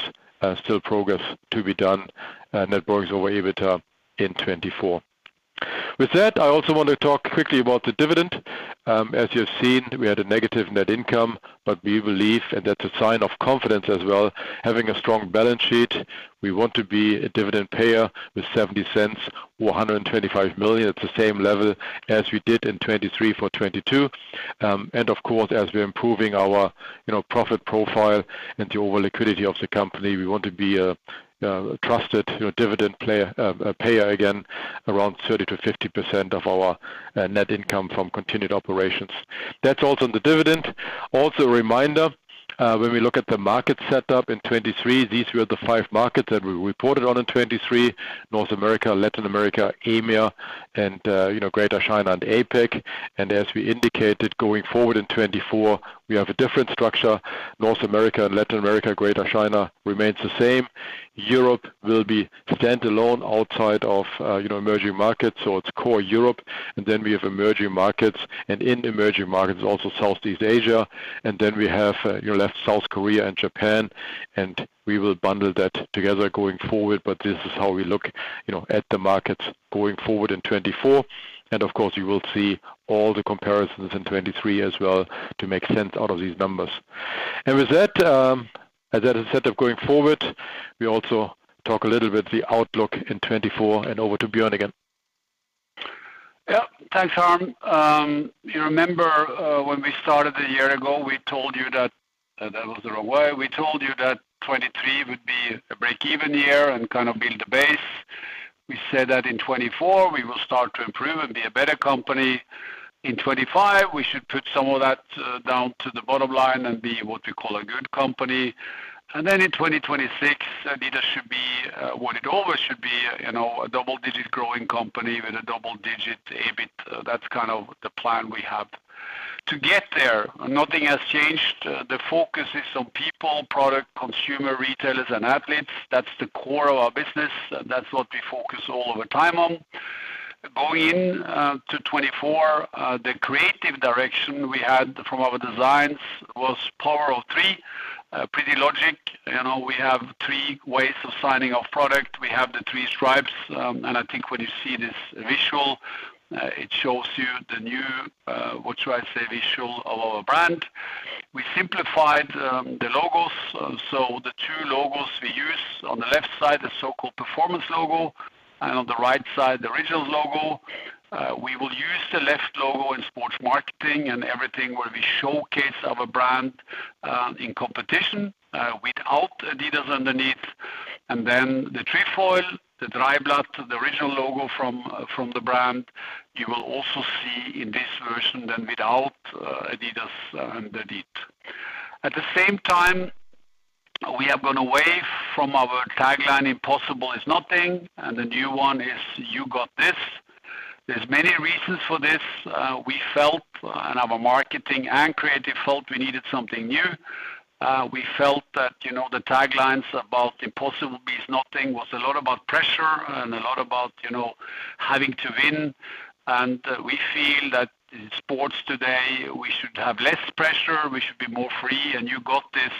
Still progress to be done, net borrowings over EBITDA in 2024. With that, I also want to talk quickly about the dividend. As you have seen, we had a negative net income, but we believe, and that's a sign of confidence as well, having a strong balance sheet, we want to be a dividend payer with 0.70 or 125 million. It's the same level as we did in 2023 for 2022. And of course, as we're improving our, you know, profit profile and the overall liquidity of the company, we want to be a, a trusted, you know, dividend player, payer again, around 30% to 50% of our, net income from continued operations. That's also in the dividend. Also, a reminder, when we look at the market setup in 2023, these were the five markets that we reported on in 2023: North America, Latin America, EMEA, and, you know, Greater China and APAC. And as we indicated, going forward in 2024, we have a different structure. North America and Latin America, Greater China remains the same. Europe will be standalone outside of, you know, emerging markets, so it's core Europe. And then we have emerging markets, and in emerging markets, also Southeast Asia. And then we have, you know, left, South Korea and Japan, and we will bundle that together going forward. But this is how we look, you know, at the markets going forward in 2024. And of course, you will see all the comparisons in 2023 as well to make sense out of these numbers. With that, as I said, going forward, we also talk a little bit about the outlook in 2024. Over to Bjørn again. Yeah. Thanks, Harm. You remember when we started a year ago, we told you that that was the wrong way. We told you that 2023 would be a break-even year and kind of build the base. We said that in 2024, we will start to improve and be a better company. In 2025, we should put some of that down to the bottom line and be what we call a good company. And then in 2026, adidas should be, when it over, should be, you know, a double-digit growing company with a double-digit EBIT. That's kind of the plan we have. To get there, nothing has changed. The focus is on people, product, consumer, retailers, and athletes. That's the core of our business. That's what we focus all of our time on. Going in, to 2024, the creative direction we had from our designs was power of three. Pretty logic, you know, we have three ways of signing our product. We have the three stripes, and I think when you see this visual, it shows you the new, what should I say, visual of our brand. We simplified, the logos. So, the two logos we use, on the left side, the so-called performance logo, and on the right side, the original logo. We will use the left logo in sports marketing and everything where we showcase our brand, in competition, without adidas underneath. And then the Trefoil, the Triblatt, the original logo from the brand, you will also see in this version than without, adidas underneath. At the same time, we have gone away from our tagline, "Impossible is nothing," and the new one is, "You got this." There's many reasons for this. We felt, and our marketing and creative felt we needed something new. We felt that, you know, the taglines about impossible is nothing, was a lot about pressure and a lot about, you know, having to win. And we feel that in sports today, we should have less pressure, we should be more free, and, "You got this,"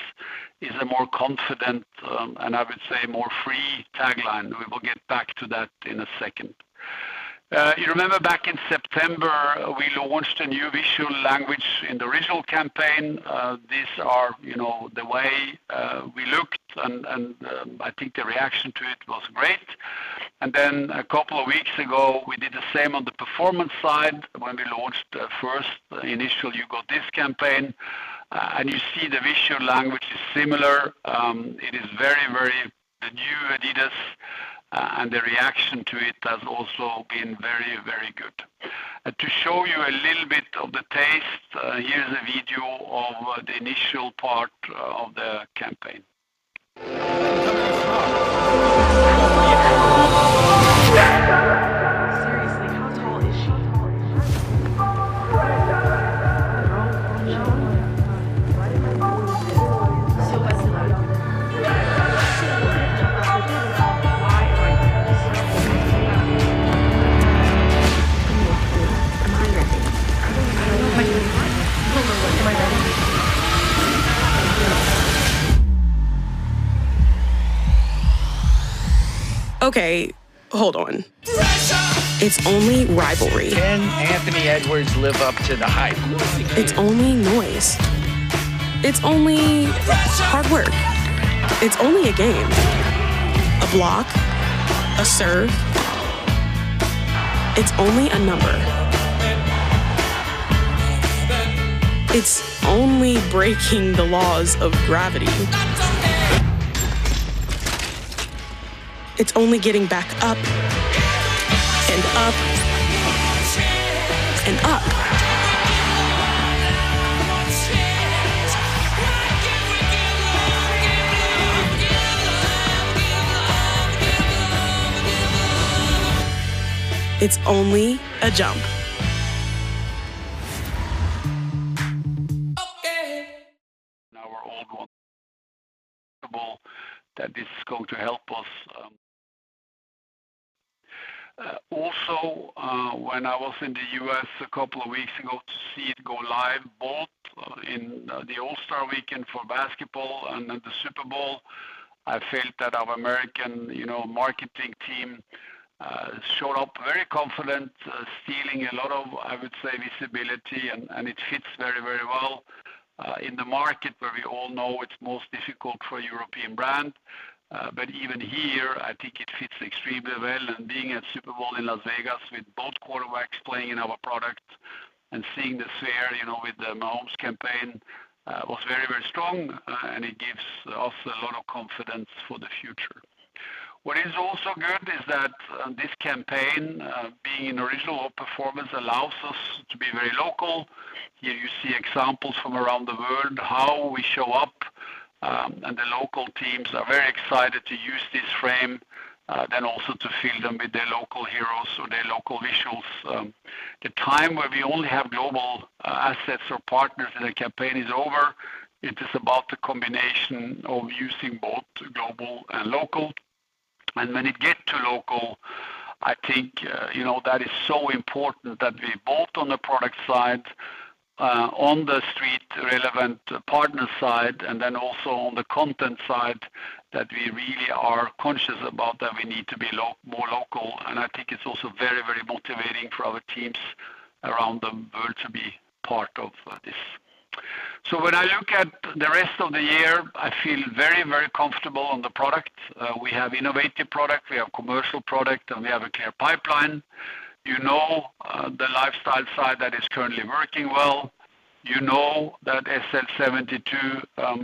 is a more confident, and I would say, more free tagline. We will get back to that in a second. You remember back in September, we launched a new visual language in the original campaign. These are, you know, the way we looked, and I think the reaction to it was great. Then a couple of weeks ago, we did the same on the performance side when we launched the first initial You Got This campaign. And you see the visual language is similar. It is very, very the new adidas, and the reaction to it has also been very, very good. To show you a little bit of the taste, here's a video of the initial part of the campaign. Seriously, how tall is she? Okay, hold on. It's only rivalry. Can Anthony Edwards live up to the hype? It's only noise. It's only hard work. It's only a game, a block, a serve. It's only a number. It's only breaking the laws of gravity. It's only getting back up, and up, and up. Why can't we give love, give love, give love, give love, give love? It's only a jump. Okay. Now, we're all hoping that this is going to help us. Also, when I was in the US a couple of weeks ago to see it go live, both in the All-Star weekend for basketball and at the Super Bowl, I felt that our American, you know, marketing team showed up very confident, stealing a lot of, I would say, visibility, and it fits very, very well in the market where we all know it's most difficult for a European brand. But even here, I think it fits extremely well. And being at Super Bowl in Las Vegas with both quarterbacks playing in our product and seeing the share, you know, with the Mahomes campaign, was very, very strong, and it gives us a lot of confidence for the future. What is also good is that, this campaign, being an original performance, allows us to be very local. Here you see examples from around the world, how we show up, and the local teams are very excited to use this frame, then also to fill them with their local heroes or their local visuals. The time where we only have global, assets or partners in the campaign is over. It is about the combination of using both global and local. And when it get to local, I think, you know, that is so important that we both on the product side, on the street, relevant partner side, and then also on the content side, that we really are conscious about that we need to be more local. I think it's also very, very motivating for our teams around the world to be part of this. So, when I look at the rest of the year, I feel very, very comfortable on the product. We have innovative product, we have commercial product, and we have a clear pipeline. You know, the lifestyle side, that is currently working well. You know that SL 72,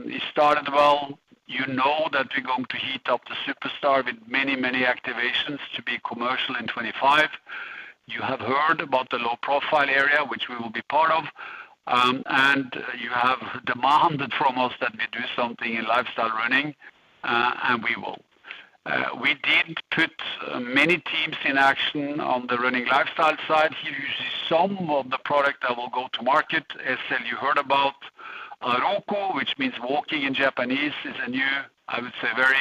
it started well. You know that we're going to heat up the Superstar with many, many activations to be commercial in 2025. You have heard about the low-profile area, which we will be part of, and you have demanded from us that we do something in lifestyle running, and we will. We did put many teams in action on the running lifestyle side. Here you see some of the product that will go to market. SL, you heard about Aruku, which means walking in Japanese, is a new, I would say, very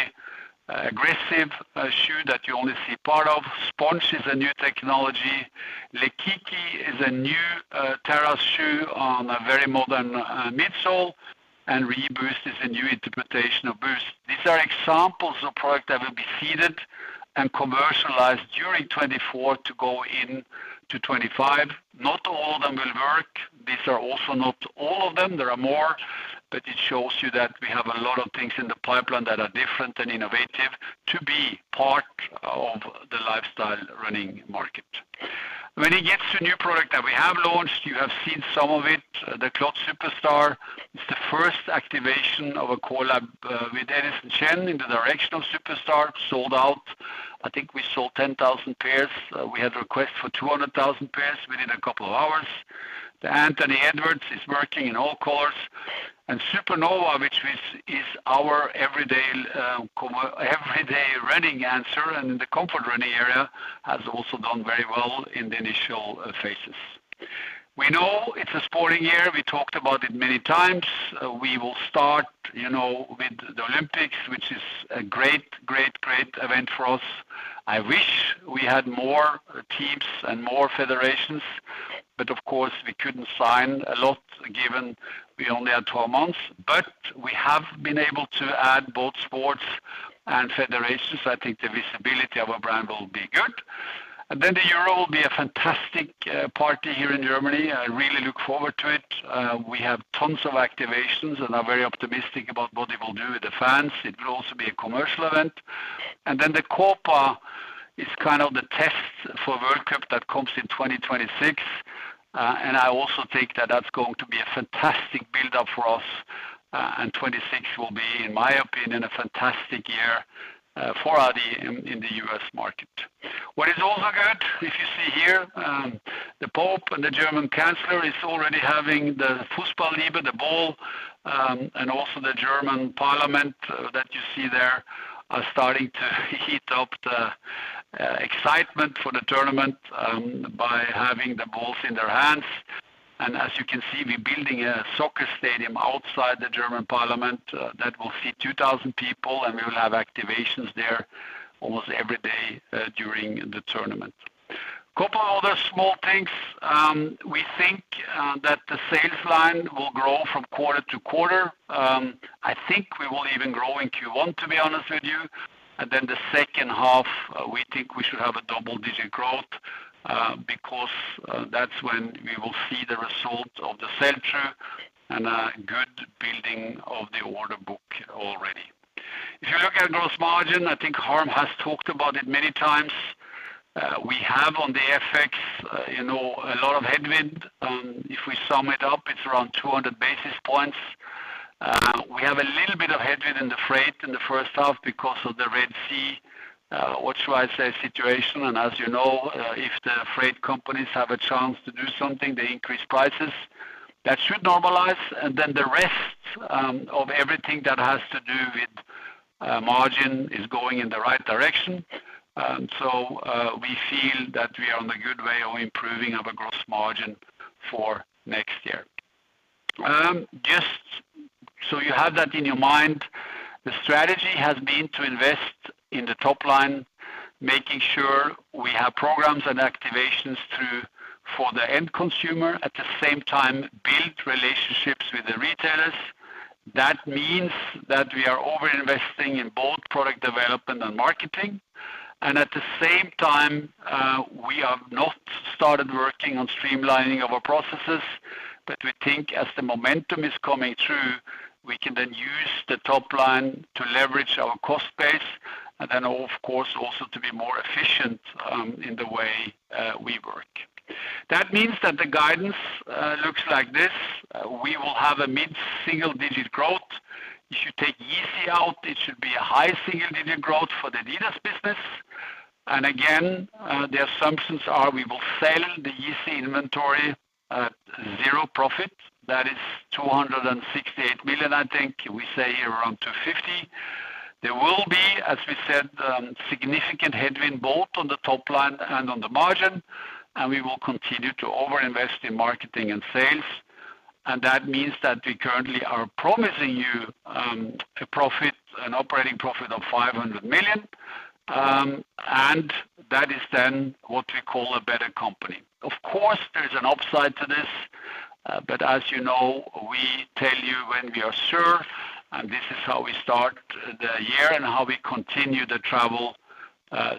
aggressive shoe that you only see part of. Sponge is a new technology. Lekiki is a new terrace shoe on a very modern midsole, and Reboost is a new interpretation of Boost. These are examples of product that will be seeded and commercialized during 2024 to go into 2025. Not all of them will work. These are also not all of them. There are more, but it shows you that we have a lot of things in the pipeline that are different and innovative to be part of the lifestyle running market. When it gets to new product that we have launched, you have seen some of it. The Clot Superstar, it's the first activation of a collab with Edison Chen in the direction of Superstar. Sold out. I think we sold 10,000 pairs. We had requests for 200,000 pairs within a couple of hours. The Anthony Edwards is working in all colors, and Supernova, which is our everyday running answer, and in the comfort running area, has also done very well in the initial phases. We know it's a sporting year. We talked about it many times. We will start, you know, with the Olympics, which is a great, great, great event for us. I wish we had more teams and more federations, but of course, we couldn't sign a lot, given we only had 12 months. But we have been able to add both sports and federations. I think the visibility of our brand will be good. And then the Euro will be a fantastic party here in Germany. I really look forward to it. We have tons of activations and are very optimistic about what it will do with the fans. It will also be a commercial event. And then the Copa is kind of the test for World Cup that comes in 2026. And I also think that that's going to be a fantastic build-up for us, and 2026 will be, in my opinion, a fantastic year, for adidas in the US market. What is also good, if you see here, the Pope and the German Chancellor is already having the first ball, the ball, and also the German parliament, that you see there, are starting to heat up the excitement for the tournament, by having the balls in their hands. As you can see, we're building a soccer stadium outside the German parliament, that will seat 2,000 people, and we will have activations there almost every day, during the tournament. Couple other small things. We think, that the sales line will grow from quarter to quarter. I think we will even grow in first quarter, to be honest with you. Then the second half, we think we should have a double-digit growth, because, that's when we will see the result of the sell-through and a good building of the order book already. If you look at gross margin, I think Harm has talked about it many times. We have on the FX, you know, a lot of headwind. If we sum it up, it's around 200 basis points. We have a little bit of headwind in the freight in the first half because of the Red Sea situation. As you know, if the freight companies have a chance to do something, they increase prices. That should normalize, and then the rest of everything that has to do with margin is going in the right direction. So, we feel that we are on a good way of improving our gross margin for next year. Just so you have that in your mind, the strategy has been to invest in the top line, making sure we have programs and activations true for the end consumer, at the same time, build relationships with the retailers. That means that we are overinvesting in both product development and marketing, and at the same time, we have not started working on streamlining our processes, but we think as the momentum is coming through, we can then use the top line to leverage our cost base, and then, of course, also to be more efficient, in the way we work. That means that the guidance looks like this. We will have a mid-single-digit growth. If you take Yeezy out, it should be a high single-digit growth for the adidas business. And again, the assumptions are we will sell the Yeezy inventory at zero profit. That is 268 million, I think. We say around 250 million. There will be, as we said, significant headwind, both on the top line and on the margin, and we will continue to overinvest in marketing and sales. And that means that we currently are promising you, a profit, an operating profit of 500 million, and that is then what we call a better company. Of course, there's an upside to this, but as you know, we tell you when we are sure, and this is how we start the year and how we continue the travel,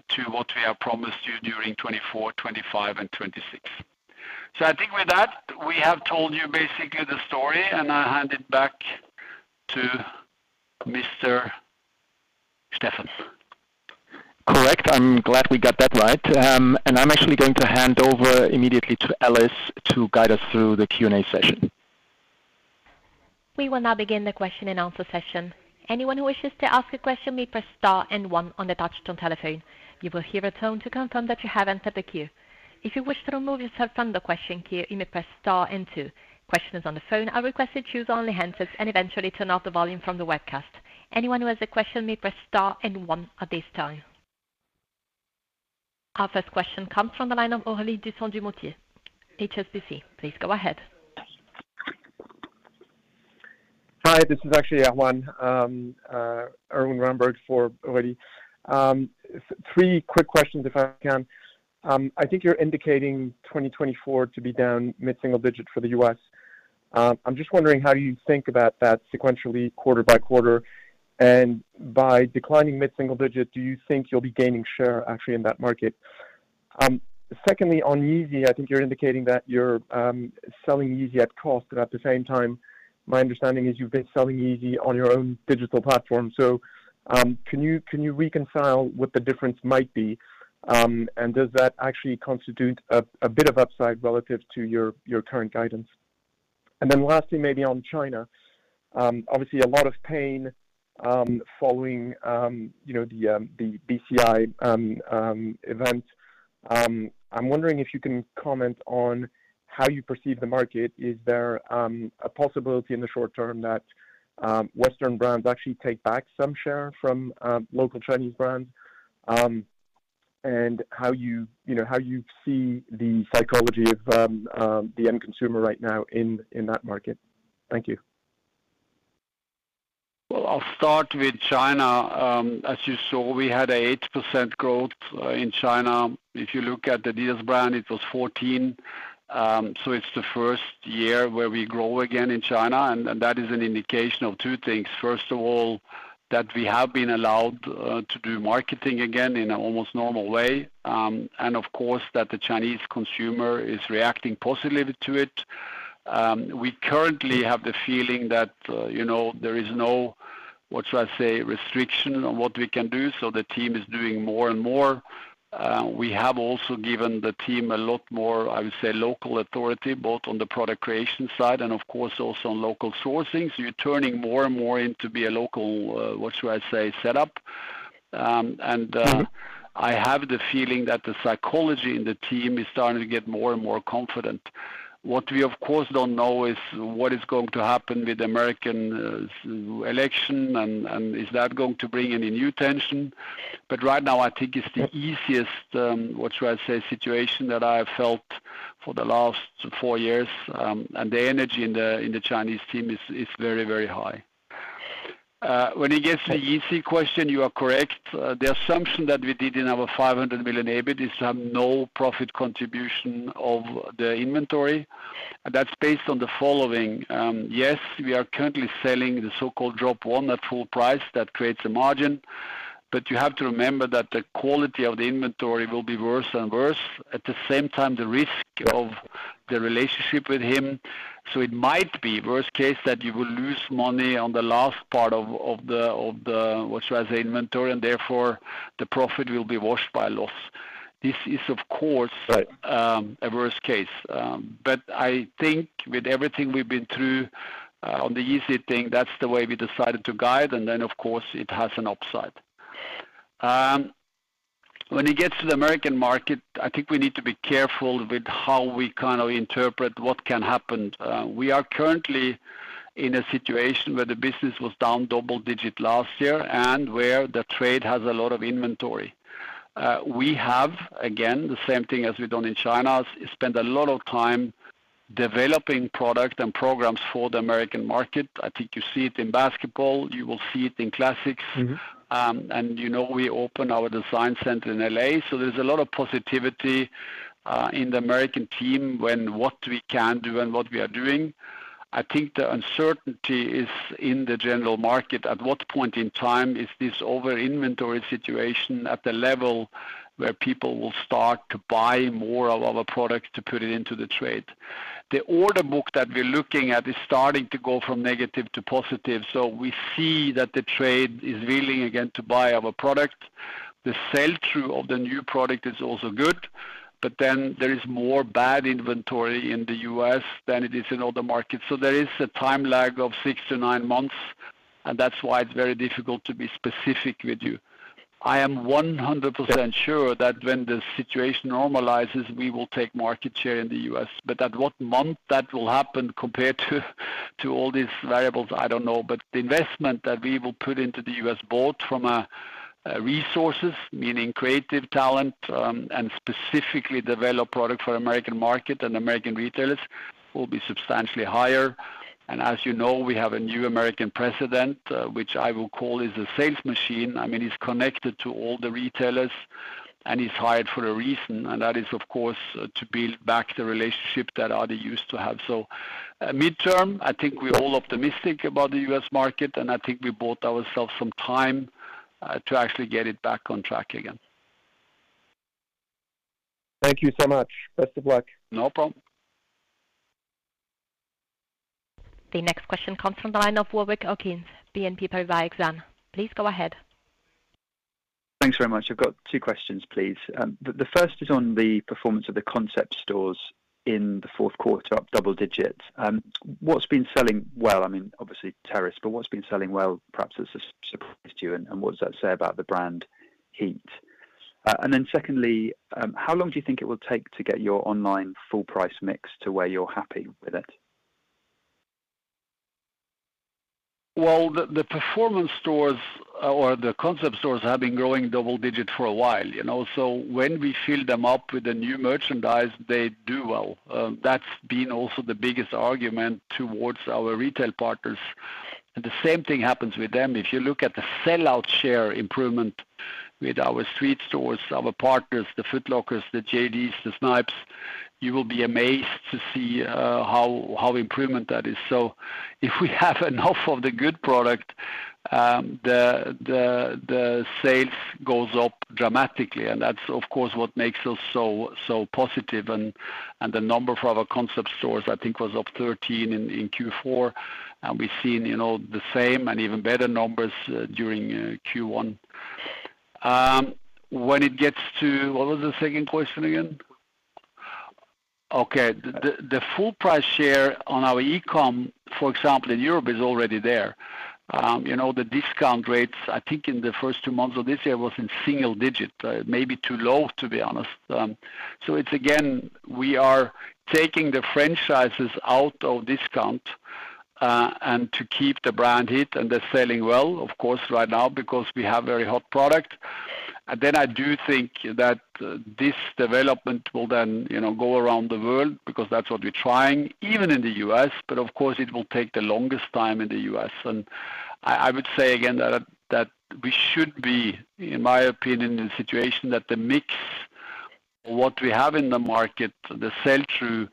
to what we have promised you during 2024, 2025, and 2026. So, I think with that, we have told you basically the story, and I hand it back to Mr. Steffen. Correct. I'm glad we got that right. And I'm actually going to hand over immediately to Alice to guide us through the Q&A session. We will now begin the question and answer session. Anyone who wishes to ask a question may press star and one on the touch-tone telephone. You will hear a tone to confirm that you have entered the queue. If you wish to remove yourself from the question queue, you may press star and two. Questions on the phone are requested to use only handsets and eventually turn off the volume from the webcast. Anyone who has a question may press star and one at this time. Our first question comes from the line of Aurélie Husson-Dumoutier, HSBC. Please go ahead. Hi, this is actually, yeah, Erwan. Erwan Rambourg for Aurélie. Three quick questions, if I can. I think you're indicating 2024 to be down mid-single digit for the US. I'm just wondering, how do you think about that sequentially, quarter by quarter? And by declining mid-single digit, do you think you'll be gaining share actually in that market? Secondly, on Yeezy, I think you're indicating that you're selling Yeezy at cost, but at the same time, my understanding is you've been selling Yeezy on your own digital platform. So, can you reconcile what the difference might be? And does that actually constitute a bit of upside relative to your current guidance? And then lastly, maybe on China, obviously a lot of pain following, you know, the BCI event. I'm wondering if you can comment on how, you perceive the market. Is there a possibility in the short term that Western brands actually take back some share from local Chinese brands? And how you, you know, how you see the psychology of the end consumer right now in that market? Thank you. Well, I'll start with China. As you saw, we had an 8% growth in China. If you look at the adidas brand, it was 14%. So, it's the first year where we grow again in China, and, and that is an indication of two things. First of all, that we have been allowed to do marketing again in an almost normal way, and of course, that the Chinese consumer is reacting positively to it. We currently have the feeling that, you know, there is no, what should I say, restriction on what we can do, so the team is doing more and more. We have also given the team a lot more, I would say, local authority, both on the product creation side and, of course, also on local sourcing. So, we're turning more and more into be a local, what should I say, setup. And I have the feeling that the psychology in the team is starting to get more and more confident. What we, of course, don't know is what is going to happen with the American election and is that going to bring any new tension? But right now, I think it's the easiest, what should I say, situation that I have felt for the last four years, and the energy in the Chinese team is very, very high. When it gets to the Yeezy question, you are correct. The assumption that we did in our 500 million EBIT is no profit contribution of the inventory. That's based on the following: Yes, we are currently selling the so-called Drop One at full price, that creates a margin, but you have to remember that the quality of the inventory will be worse and worse, at the same time, the risk of the relationship with him. So it might be worse case that you will lose money on the last part of the inventory, and therefore the profit will be washed by loss. This is, of course... Right. A worse case. But I think with everything we've been through, on the Yeezy thing, that's the way we decided to guide, and then, of course, it has an upside. When it gets to the American market, I think we need to be careful with how we kind of interpret what can happen. We are currently in a situation where the business was down double-digit last year and where the trade has a lot of inventory. We have, again, the same thing as we've done in China, spent a lot of time developing products and programs for the American market. I think you see it in basketball; you will see it in classics. Mm-hmm. You know, we opened our design center in LA, so there's a lot of positivity in the American team when what we can do and what we are doing. I think the uncertainty is in the general market. At what point in time is this over inventory situation at the level where people will start to buy more of our product to put it into the trade? The order book that we're looking at is starting to go from negative to positive, so we see that the trade is willing, again to buy our product. The sell-through of the new product is also good, but then there is more bad inventory in the US than it is in other markets. So, there is a time lag of six to nine months, and that's why it's very difficult to be specific with you. I am 100% sure that when the situation normalizes, we will take market share in the US, but at what month that will happen compared to all these variables, I don't know. But the investment that we will put into the US, both from a resources, meaning creative talent, and specifically develop product for American market and American retailers, will be substantially higher. And as you know, we have a new American president, which I will call is a sales machine. I mean, he's connected to all the retailers, and he's hired for a reason, and that is, of course, to build back the relationship that Adi used to have. So, midterm, I think we're all optimistic about the US market, and I think we bought ourselves some time to actually get it back on track again. Thank you so much. Best of luck. No problem. Okay, the next question comes from the line of Warwick Okines, BNP Paribas. Please go ahead. Thanks very much. I've got two questions, please. The first is on the performance of the concept stores in the fourth quarter, up double digits. What's been selling well? I mean, obviously, Terrace, but what's been selling well, perhaps, has surprised you, and what does that say about the brand heat? And then secondly, how long do you think it will take to get your online full price mix to where you're happy with it? Well, the performance stores or the concept stores have been growing double-digit for a while, you know, so when we fill them up with the new merchandise, they do well. That's been also the biggest argument towards our retail partners. And the same thing happens with them. If you look at the sell-out share improvement with our street stores, our partners, the Foot Lockers, the JDs, the Snipes, you will be amazed to see how improvement that is. So if we have enough of the good product, the sales goes up dramatically, and that's, of course, what makes us so positive. And the number of our concept stores, I think, was up 13 in fourth quarter, and we've seen, you know, the same and even better numbers during first quarter. When it gets to... What was the second question again? Okay, the full price share on our e-com, for example, in Europe, is already there. You know, the discount rates, I think, in the first two months of this year was in single digits, maybe too low, to be honest. So, it's again, we are taking the franchises out of discount, and to keep the brand heat, and they're selling well, of course, right now, because we have very hot product. And then I do think that this development will then, you know, go around the world, because that's what we're trying, even in the US, but of course, it will take the longest time in the US.And I would say again that we should be, in my opinion, in a situation that the mix, what we have in the market, the sell-through,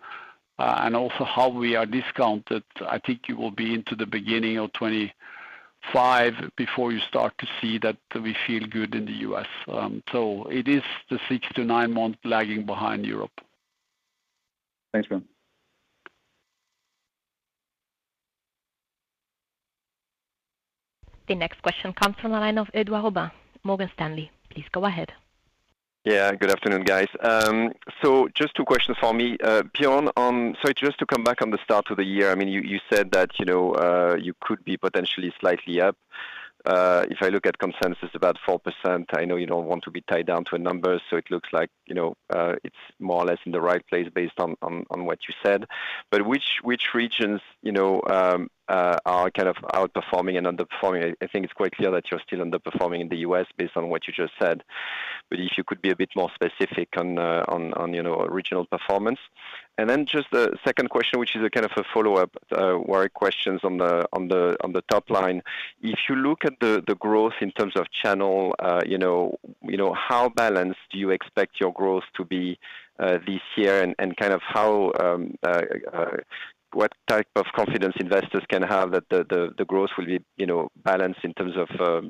and also how we are discounted. I think you will be into the beginning of 2025 before you start to see that we feel good in the US. So it is the six to nine months lagging behind Europe. Thanks, man. The next question comes from the line of Edouard Aubin, Morgan Stanley. Please go ahead. Yeah, good afternoon, guys. So just two questions for me. Bjørn, so just to come back on the start of the year, I mean, you, you said that, you know, you could be potentially slightly up. If I look at consensus about 4%, I know you don't want to be tied down to a number, so it looks like, you know, it's more or less in the right place, based on, on, on what you said. But which, which regions, you know, are kind of outperforming and underperforming? I think it's quite clear that you're still underperforming in the US, based on what you just said, but if you could be a bit more specific on the, on, on, you know, regional performance. And then just the second question, which is a kind of a follow-up, wide questions on the top line. If you look at the growth in terms of channel, you know, how balanced do you expect your growth to be, this year? And kind of how, what type of confidence investors can have that the growth will be, you know, balanced in terms of,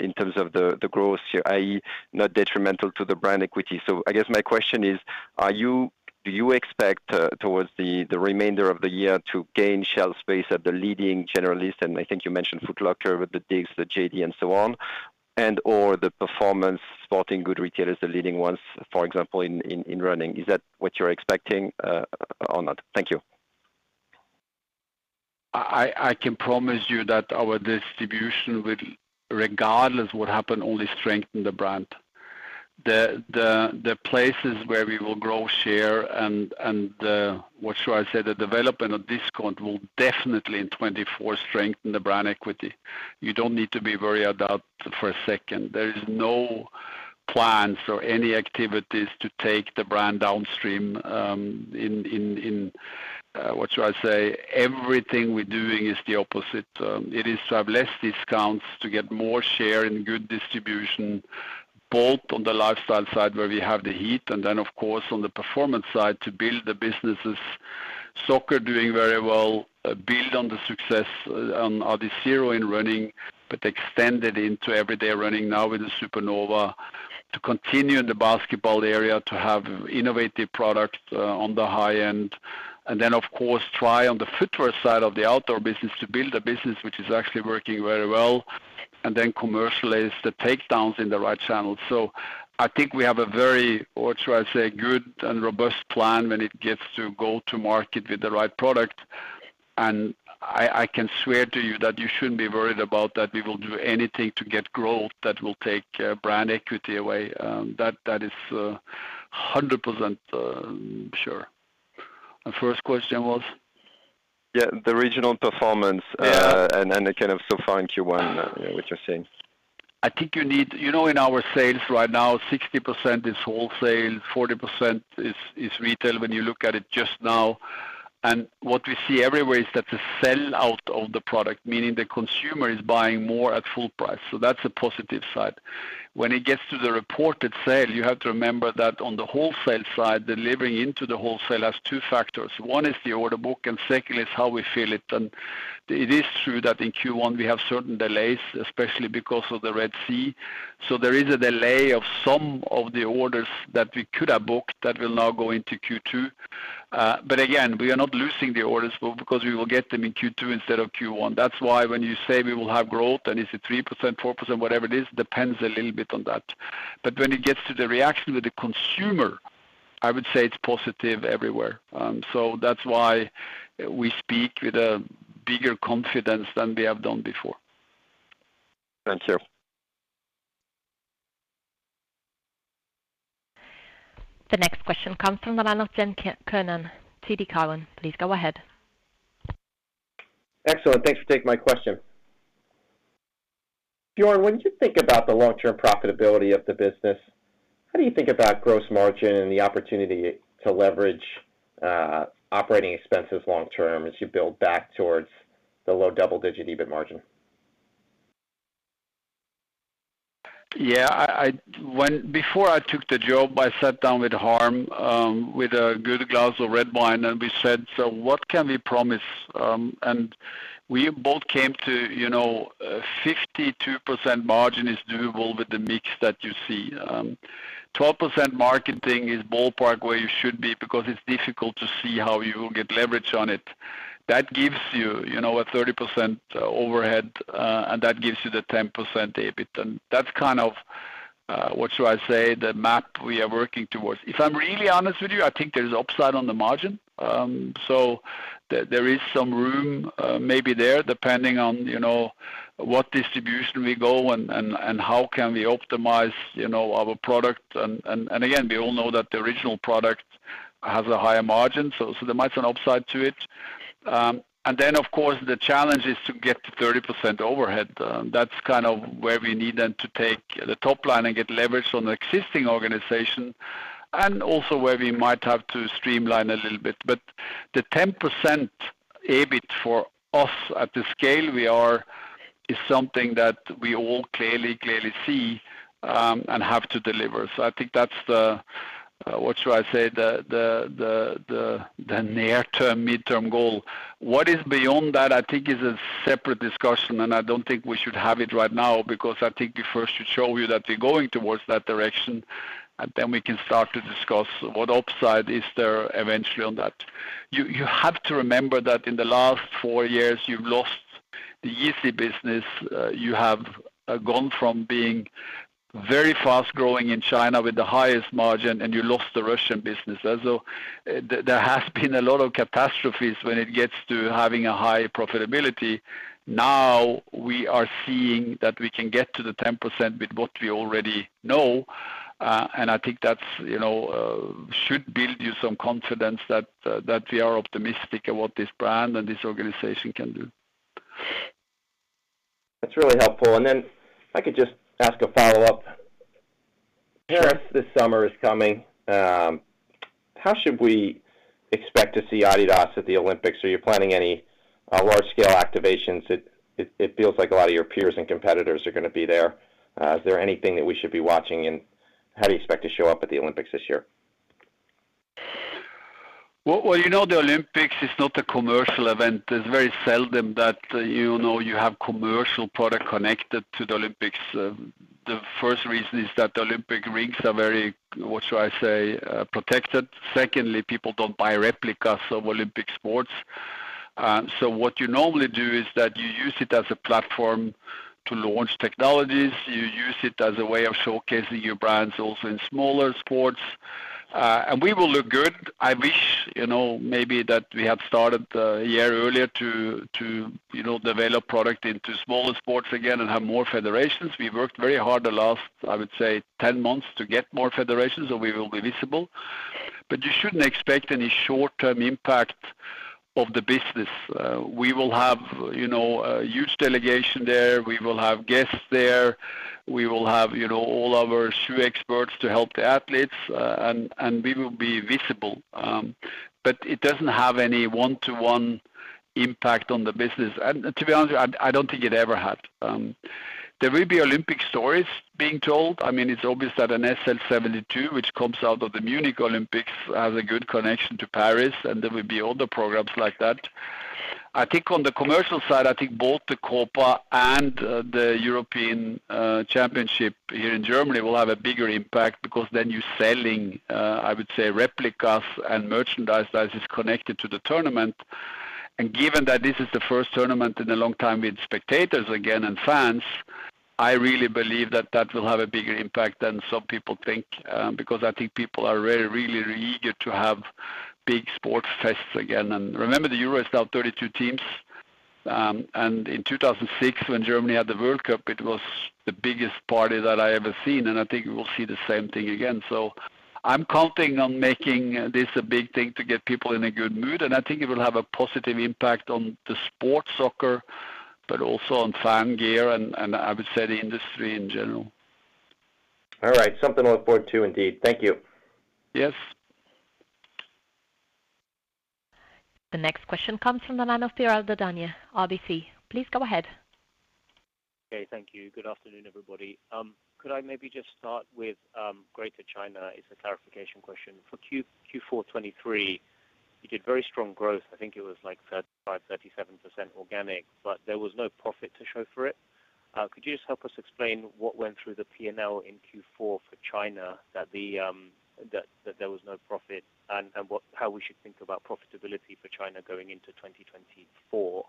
in terms of the growth, i.e., not detrimental to the brand equity. So, I guess my question is, are you... do you expect, towards the remainder of the year to gain shelf space at the leading generalist? I think you mentioned Foot Locker with the Dick's, the JD, and so on, and/or the performance sporting goods retailers, the leading ones, for example, in running. Is that what you're expecting, or not? Thank you. I can promise you that our distribution will, regardless what happened, only strengthen the brand. The places where we will grow share and what should I say? The development of discount will definitely, in 2024, strengthen the brand equity. You don't need to be worried about for a second. There is no plans or any activities to take the brand downstream, what should I say? Everything we're doing is the opposite. It is to have less discounts, to get more share and good distribution, both on the lifestyle side, where we have the heat, and then, of course, on the performance side, to build the businesses. Soccer doing very well, build on the success on the Adizero in running, but extend it into everyday running now with the Supernova. To continue in the basketball area, to have innovative products on the high end. And then, of course, try on the footwear side of the outdoor business to build a business which is actually working very well, and then commercialize the takedowns in the right channel. So, I think we have a very, what should I say, good and robust plan when it gets to go to market with the right product. And I, I can swear to you that you shouldn't be worried about that we will do anything to get growth that will take brand equity away. That, that is 100% sure. And first question was? Yeah, the regional performance. Yeah. And the kind of so far in first quarter, yeah, what you're seeing. I think you need... You know, in our sales right now, 60% is wholesale, 40% is retail, when you look at it just now. What we see everywhere is that the sell-through of the product, meaning the consumer is buying more at full price, so that's a positive side. When it gets to the reported sale, you have to remember that on the wholesale side, delivering into the wholesale has two factors. One is the order book, and second is how we fill it. It is true that in first quarter we have certain delays, especially because of the Red Sea. So there is a delay of some of the orders that we could have booked that will now go into second quarter. But again, we are not losing the orders because we will get them in second quarter instead of first quarter. That's why when you say we will have growth, and is it 3%, 4%, whatever it is, depends a little bit on that. But when it gets to the reaction with the consumer, I would say it's positive everywhere. So that's why we speak with a bigger confidence than we have done before. Thank you. The next question comes from the line of John Kernan, TD Cowen. Please go ahead. Excellent. Thanks for taking my question. Bjørn, when you think about the long-term profitability of the business, how do you think about gross margin and the opportunity to leverage operating expenses long term as you build back towards the low double-digit EBIT margin? Yeah, before I took the job, I sat down with Harm, with a good glass of red wine, and we said, "So what can we promise?" and we both came to, you know, 52% margin is doable with the mix that you see. Twelve percent marketing is ballpark where you should be, because it's difficult to see how you will get leverage on it. That gives you, you know, a 30% overhead, and that gives you the 10% EBIT. And that's kind of, what should I say, the map we are working towards. If I'm really honest with you, I think there's upside on the margin. So, there is some room, maybe there, depending on, you know, what distribution we go and how we can optimize, you know, our product. Again, we all know that the original product has a higher margin, so there might be an upside to it. And then, of course, the challenge is to get to 30% overhead. That's kind of where we need then to take the top line and get leverage on the existing organization, and also where we might have to streamline a little bit. But the 10% EBIT for us at the scale we are is something that we all clearly see and have to deliver. So, I think that's the, what should I say, the near-term, midterm goal. What is beyond that, I think, is a separate discussion, and I don't think we should have it right now, because I think we first should show you that we're going towards that direction, and then we can start to discuss what upside is there eventually on that. You have to remember that in the last four years, you've lost the Yeezy business. You have gone from being very fast-growing in China with the highest margin, and you lost the Russian business as well. There has been a lot of catastrophes when it gets to having a high profitability. Now, we are seeing that we can get to the 10% with what we already know, and I think that's, you know, should build you some confidence that we are optimistic about what this brand and this organization can do. That's really helpful. Then if I could just ask a follow-up. Sure. Paris, this summer is coming. How should we expect to see adidas at the Olympics? Are you planning any large-scale activations? It feels like a lot of your peers and competitors are gonna be there. Is there anything that we should be watching, and how do you expect to show up at the Olympics this year? Well, well, you know, the Olympics is not a commercial event. It's very seldom that, you know, you have commercial product connected to the Olympics. The first reason is that the Olympic rings are very, what should I say, protected. Secondly, people don't buy replicas of Olympic sports. So what you normally do is that you use it as a platform to launch technologies, you use it as a way of showcasing your brands also in smaller sports. And we will look good. I wish, you know, maybe that we had started a year earlier to, to, you know, develop product into smaller sports again and have more federations. We've worked very hard the last, I would say, 10 months to get more federations, so we will be visible. But you shouldn't expect any short-term impact of the business. We will have, you know, a huge delegation there, we will have guests there, we will have, you know, all our shoe experts to help the athletes, and we will be visible. But it doesn't have any one-to-one impact on the business. And to be honest with you, I don't think it ever had. There will be Olympic stories being told. I mean, it's obvious that an SL 72, which comes out of the Munich Olympics, has a good connection to Paris, and there will be other programs like that. I think on the commercial side, I think both the Copa and the European Championship here in Germany will have a bigger impact, because then you're selling, I would say, replicas and merchandise that is connected to the tournament. And given that this is the first tournament in a long time with spectators again and fans, I really believe that that will have a bigger impact than some people think, because I think people are really, really, really eager to have big sports fests again. And remember, the Euros is now 32 teams, and in 2006, when Germany had the World Cup, it was the biggest party that I ever seen, and I think we will see the same thing again. So I'm counting on making this a big thing to get people in a good mood, and I think it will have a positive impact on the sport, soccer, but also on fan gear and, and I would say, the industry in general. All right. Something to look forward to, indeed. Thank you. Yes. The next question comes from the line of Piral Dadhania, RBC. Please go ahead. Okay, thank you. Good afternoon, everybody. Could I maybe just start with Greater China? It's a clarification question. For fourth quarter 2023, you did very strong growth. I think it was like 35% to 37% organic, but there was no profit to show for it. Could you just help us explain what went through the P&L in fourth quarter for China that there was no profit, and what how we should think about profitability for China going into 2024?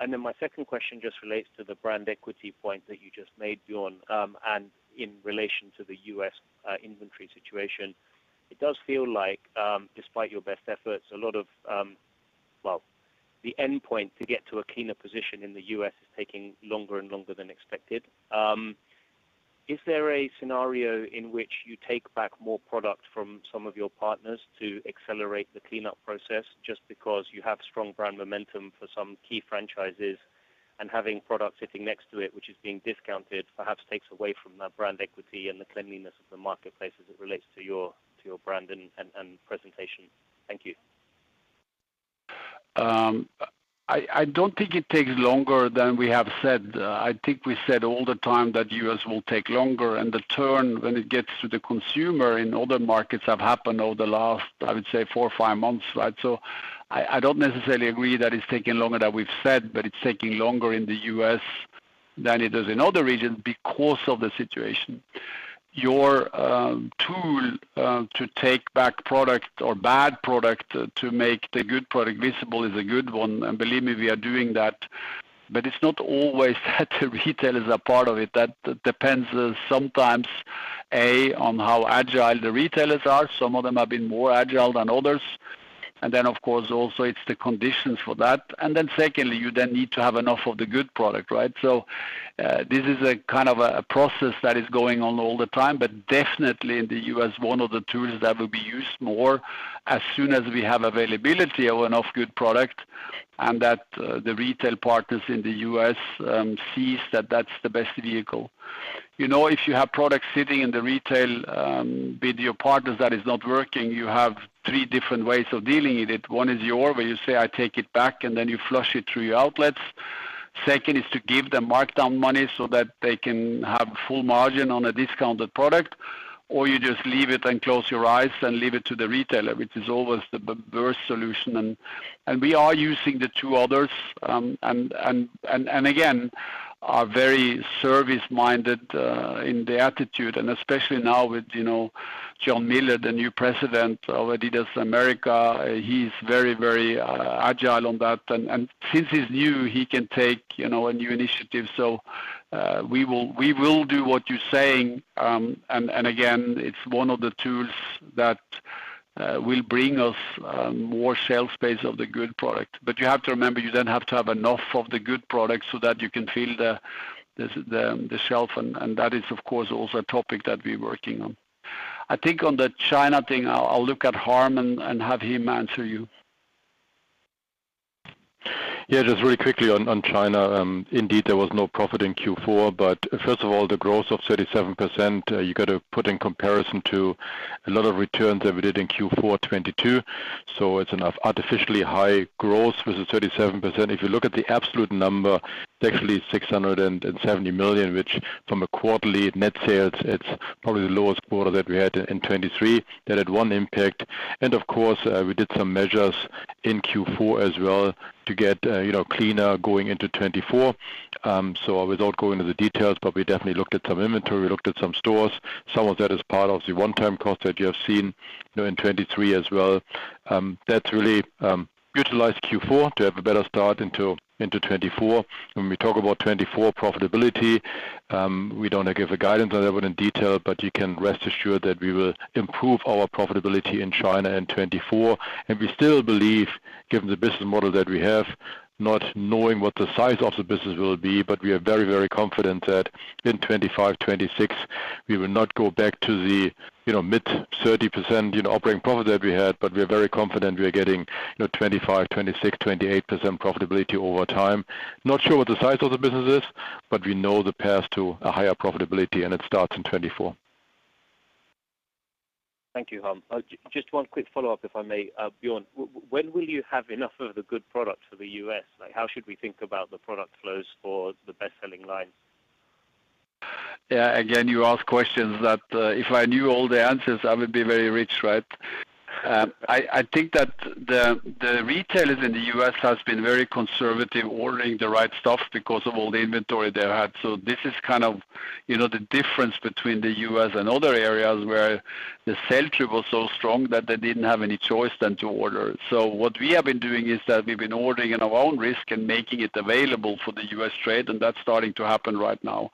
And then my second question just relates to the brand equity point that you just made, Bjørn, and in relation to the US inventory situation. It does feel like, despite your best efforts, a lot of, well, the endpoint to get to a cleaner position in the US is taking longer and longer than expected. Is there a scenario in which you take back more product from some of your partners to accelerate the cleanup process just because you have strong brand momentum for some key franchises, and having product sitting next to it, which is being discounted, perhaps takes away from that brand equity and the cleanliness of the marketplace as it relates to your brand and presentation? Thank you. I don't think it takes longer than we have said. I think we said all the time that US will take longer, and the turn, when it gets to the consumer in other markets, have happened over the last, I would say, four or five months, right? So, I don't necessarily agree that it's taking longer than we've said, but it's taking longer in the US than it does in other regions because of the situation. Your tool to take back product or bad product, to make the good product visible is a good one, and believe me, we are doing that, but it's not always that the retailers are part of it. That depends sometimes, A, on how agile the retailers are. Some of them have been more agile than others. And then, of course, also, it's the conditions for that. And then secondly, you then need to have enough of the good product, right? So, this is a kind of a process that is going on all the time, but definitely in the US, one of the tools that will be used more as soon as we have availability of enough good product and that, the retail partners in the US, sees that that's the best vehicle. You know, if you have products sitting in the retail, with your partners that is not working, you have three different ways of dealing with it. One is where you say, "I take it back," and then you flush it through your outlets. Second is to give them markdown money so that they can have full margin on a discounted product, or you just leave it and close your eyes and leave it to the retailer, which is always the by far worst solution. And we are using the two others, and again, are very service-minded in the attitude, and especially now with, you know, John Miller, the new president of adidas America. He's very, very agile on that, and since he's new, he can take, you know, a new initiative. So, we will do what you're saying. And again, it's one of the tools that will bring us more shelf space of the good product. But you have to remember, you then have to have enough of the good product so that you can fill the shelf, and that is, of course, also a topic that we're working on. I think on the China thing, I'll look at Harm and have him answer you. Yeah, just really quickly on China. Indeed, there was no profit in fourth quarter, but first of all, the growth of 37%, you got to put in comparison to a lot of returns that we did in fourth quarter 2022. So it's an artificially high growth with the 37%. If you look at the absolute number, it's actually 670 million, which from a quarterly net sales, it's probably the lowest quarter that we had in 2023. That had one impact, and of course, we did some measures in fourth quarter as well to get, you know, cleaner going into 2024. So without going into the details, but we definitely looked at some inventory, we looked at some stores. Some of that is part of the one-time cost that you have seen, you know, in 2023 as well. That's really utilized fourth quarter to have a better start into 2024. When we talk about 2024 profitability, we don't give a guidance on that one in detail, but you can rest assured that we will improve our profitability in China in 2024. And we still believe, given the business model that we have, not knowing what the size of the business will be, but we are very, very confident that in 2025, 2026, we will not go back to the, you know, mid-30%, you know, operating profit that we had. But we are very confident we are getting, you know, 25%, 26%, 28% profitability over time. Not sure what the size of the business is, but we know the path to a higher profitability, and it starts in 2024. Thank you, Harm. Just one quick follow-up, if I may. Bjørn, when will you have enough of the good product for the US? Like, how should we think about the product flows for the best-selling lines? Yeah, again, you ask questions that, if I knew all the answers, I would be very rich, right? I think that the retailers in the US has been very conservative ordering the right stuff because of all the inventory they had. So this is kind of, you know, the difference between the US and other areas where the sell-through was so strong that they didn't have any choice than to order. So what we have been doing is that we've been ordering at our own risk and making it available for the US trade, and that's starting to happen right now.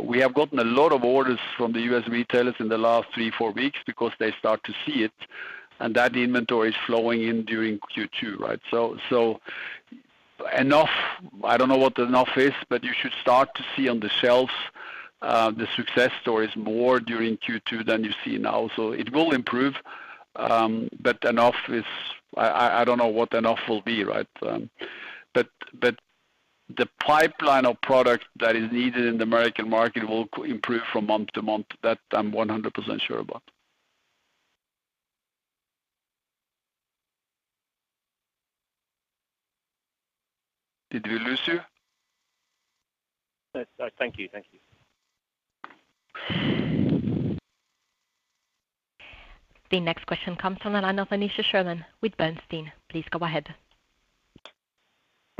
We have gotten a lot of orders from the US retailers in the last three to four weeks because they start to see it, and that inventory is flowing in during second quarter, right? So enough, I don't know what enough is, but you should start to see on the shelves the success stories more during second quarter than you see now. So, it will improve, but enough is... I don't know what enough will be, right? But the pipeline of product that is needed in the American market will improve from month to month. That I'm 100% sure about. Did we lose you? No, sir. Thank you. Thank you. The next question comes from the line of Aneesha Sherman with Bernstein. Please go ahead.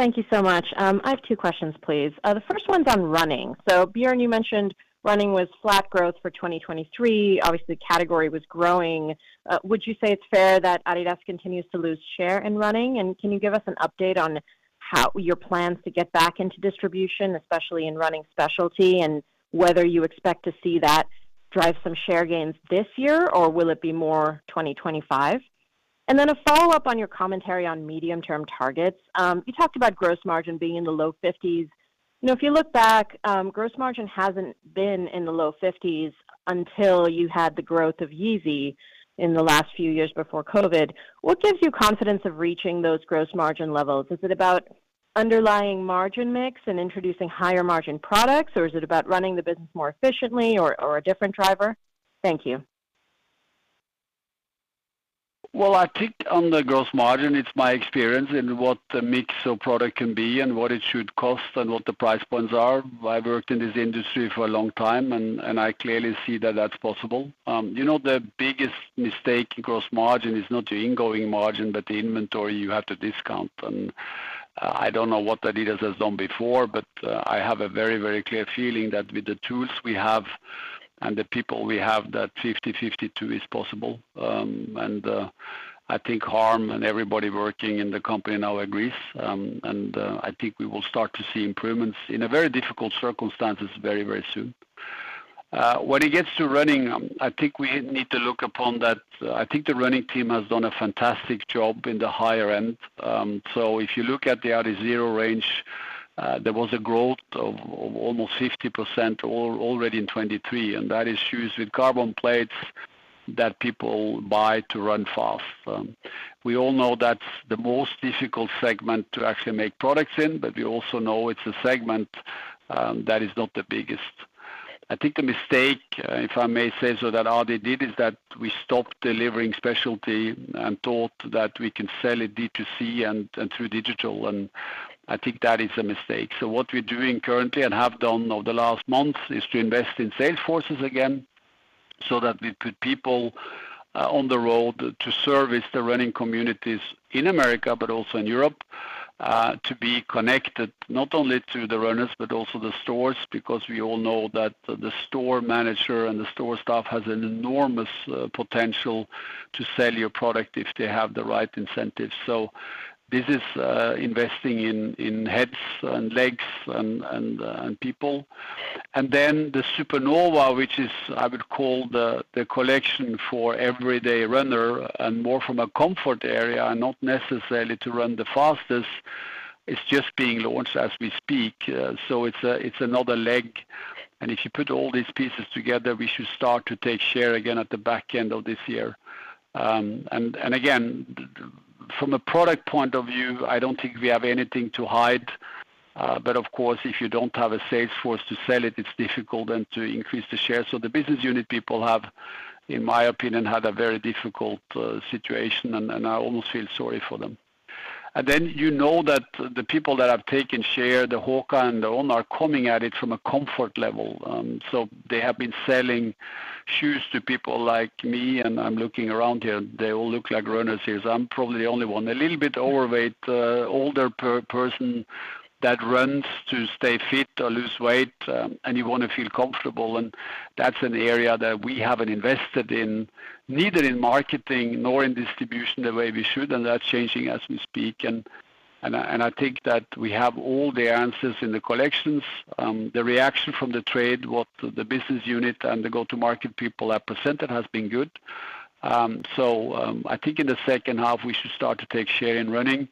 Thank you so much. I have two questions, please. The first one's on running. So, Bjørn, you mentioned running was flat growth for 2023. Obviously, the category was growing. Would you say it's fair that adidas continues to lose share in running? And can you give us an update on how your plans to get back into distribution, especially in running specialty, and whether you expect to see that drive some share gains this year, or will it be more 2025? And then a follow-up on your commentary on medium-term targets. You talked about gross margin being in the low fifties. You know, if you look back, gross margin hasn't been in the low fifties until you had the growth of Yeezy in the last few years before COVID. What gives you confidence of reaching those gross margin levels? Is it about underlying margin mix and introducing higher margin products, or is it about running the business more efficiently or, or a different driver? Thank you. Well, I think on the gross margin, it's my experience in what the mix of product can be and what it should cost and what the price points are. I've worked in this industry for a long time, and I clearly see that that's possible. You know, the biggest mistake in gross margin is not the ingoing margin, but the inventory you have to discount. And, I don't know what adidas has done before, but I have a very, very clear feeling that with the tools we have and the people we have, that 50/52 is possible. And I think Harm and everybody working in the company now agrees, and I think we will start to see improvements in a very difficult circumstances very, very soon. When it gets to running, I think we need to look upon that. I think the running team has done a fantastic job in the higher end. So, if you look at the Adizero range, there was a growth of almost 50% already in 2023, and that is shoes with carbon plates that people buy to run fast. We all know that's the most difficult segment to actually make products in, but we also know it's a segment that is not the biggest. I think the mistake, if I may say so, that all they did, is that we stopped delivering specialty and thought that we can sell it D2C and through digital, and I think that is a mistake. So, what we're doing currently, and have done over the last months, is to invest in sales forces again, so that we put people on the road to service the running communities in America, but also in Europe to be connected not only to the runners, but also the stores, because we all know that the store manager and the store staff has an enormous potential to sell your product if they have the right incentives. So, this is investing in heads and legs and people. And then the Supernova, which is, I would call the collection for every day runner and more from a comfort area and not necessarily to run the fastest, is just being launched as we speak. So it's another leg, and if you put all these pieces together, we should start to take share again at the back end of this year. And again, from a product point of view, I don't think we have anything to hide. But of course, if you don't have a sales force to sell it, it's difficult then to increase the share. So the business unit people have, in my opinion, had a very difficult situation, and I almost feel sorry for them. And then you know that the people that have taken share, the HOKA and On, are coming at it from a comfort level. So, they have been selling shoes to people like me, and I'm looking around here, they all look like runners here. So, I'm probably the only one, a little bit overweight, older person that runs to stay fit or lose weight, and you want to feel comfortable, and that's an area that we haven't invested in, neither in marketing nor in distribution, the way we should, and that's changing as we speak. And I think that we have all the answers in the collections. The reaction from the trade, what the business unit and the go-to-market people have presented has been good. So, I think in the second half, we should start to take share in running,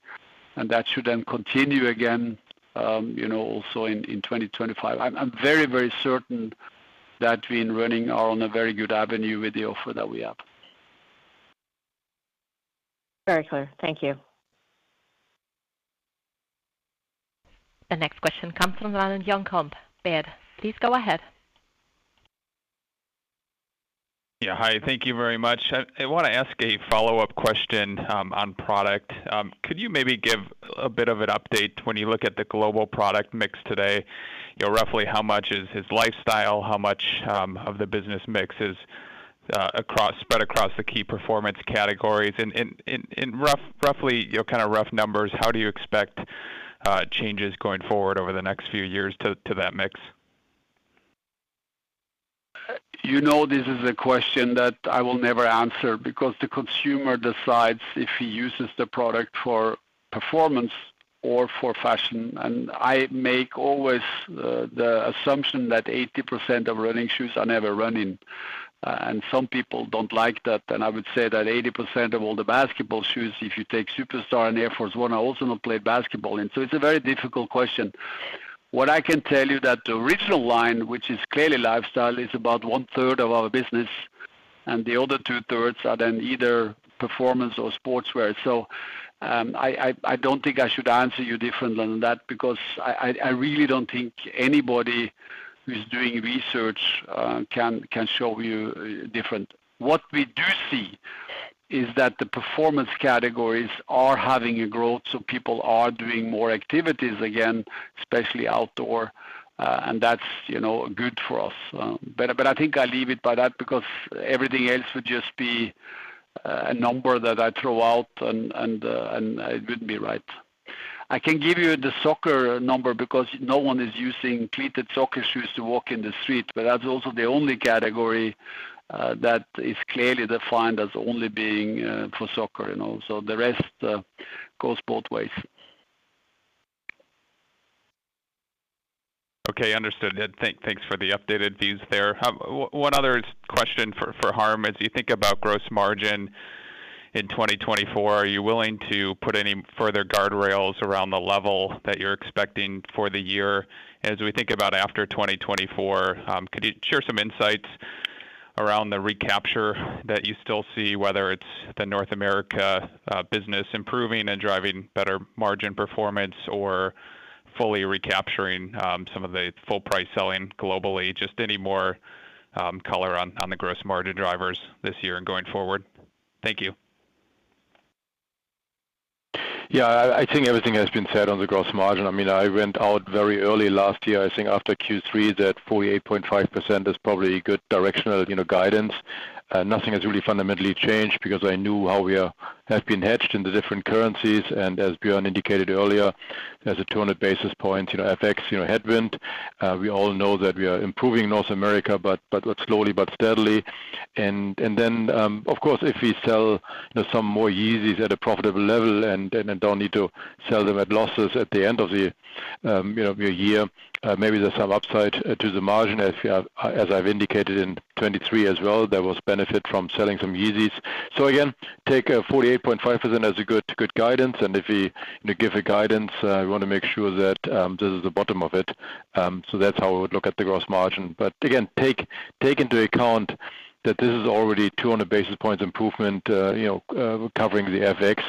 and that should then continue again, you know, also in 2025. I'm very, very certain that we in running are on a very good avenue with the offer that we have. Very clear. Thank you. The next question comes from the line of Jon Komp, Baird. Please go ahead. Yeah. Hi, thank you very much. I want to ask a follow-up question on product. Could you maybe give a bit of an update when you look at the global product mix today? You know, roughly how much is lifestyle, how much of the business mix is spread across the key performance categories? And roughly, you know, kind of rough numbers, how do you expect changes going forward over the next few years to that mix? You know, this is a question that I will never answer because the consumer decides if he uses the product for performance or for fashion, and I make always the assumption that 80% of running shoes are never run in, and some people don't like that. And I would say that 80% of all the basketball shoes, if you take Superstar and Air Force 1, are also not played basketball in. So it's a very difficult question. What I can tell you that the original line, which is clearly lifestyle, is about 1/3 of our business, and the other 2/3 are then either performance or sportswear. So, I don't think I should answer you differently than that, because I really don't think anybody who's doing research can show you different. What we do see is that the performance categories are having a growth, so people are doing more activities again, especially outdoor, and that's, you know, good for us. But I think I leave it by that because everything else would just be a number that I throw out and it wouldn't be right. I can give you the soccer number because no one is using cleated soccer shoes to walk in the street, but that's also the only category that is clearly defined as only being for soccer, you know. So, the rest goes both ways. Okay, understood. Thanks for the updated views there. One other question for Harm, as you think about gross margin in 2024, are you willing to put any further guardrails around the level that you're expecting for the year? As we think about after 2024, could you share some insights around the recapture that you still see, whether it's the North America business improving and driving better margin performance or fully recapturing some of the full price selling globally? Just any more color on the gross margin drivers this year and going forward. Thank you. Yeah, I think everything has been said on the gross margin. I mean, I went out very early last year, I think after third quarter, that 48.5% is probably a good directional, you know, guidance. Nothing has really fundamentally changed because I knew how we have been hedged in the different currencies, and as Bjørn indicated earlier, there's a 200 basis point, you know, FX, you know, headwind. We all know that we are improving North America, but, but slowly but steadily. And, and then, of course, if we sell, you know, some more Yeezys at a profitable level and, and don't need to sell them at losses at the end of the, you know, year, maybe there's some upside to the margin. As I've indicated in 2023 as well, there was benefit from selling some Yeezys. So again, take a 48.5% as a good, good guidance, and if we, you know, give a guidance, we want to make sure that, this is the bottom of it. So that's how I would look at the gross margin. But again, take, take into account that this is already 200 basis points improvement, you know, covering the FX,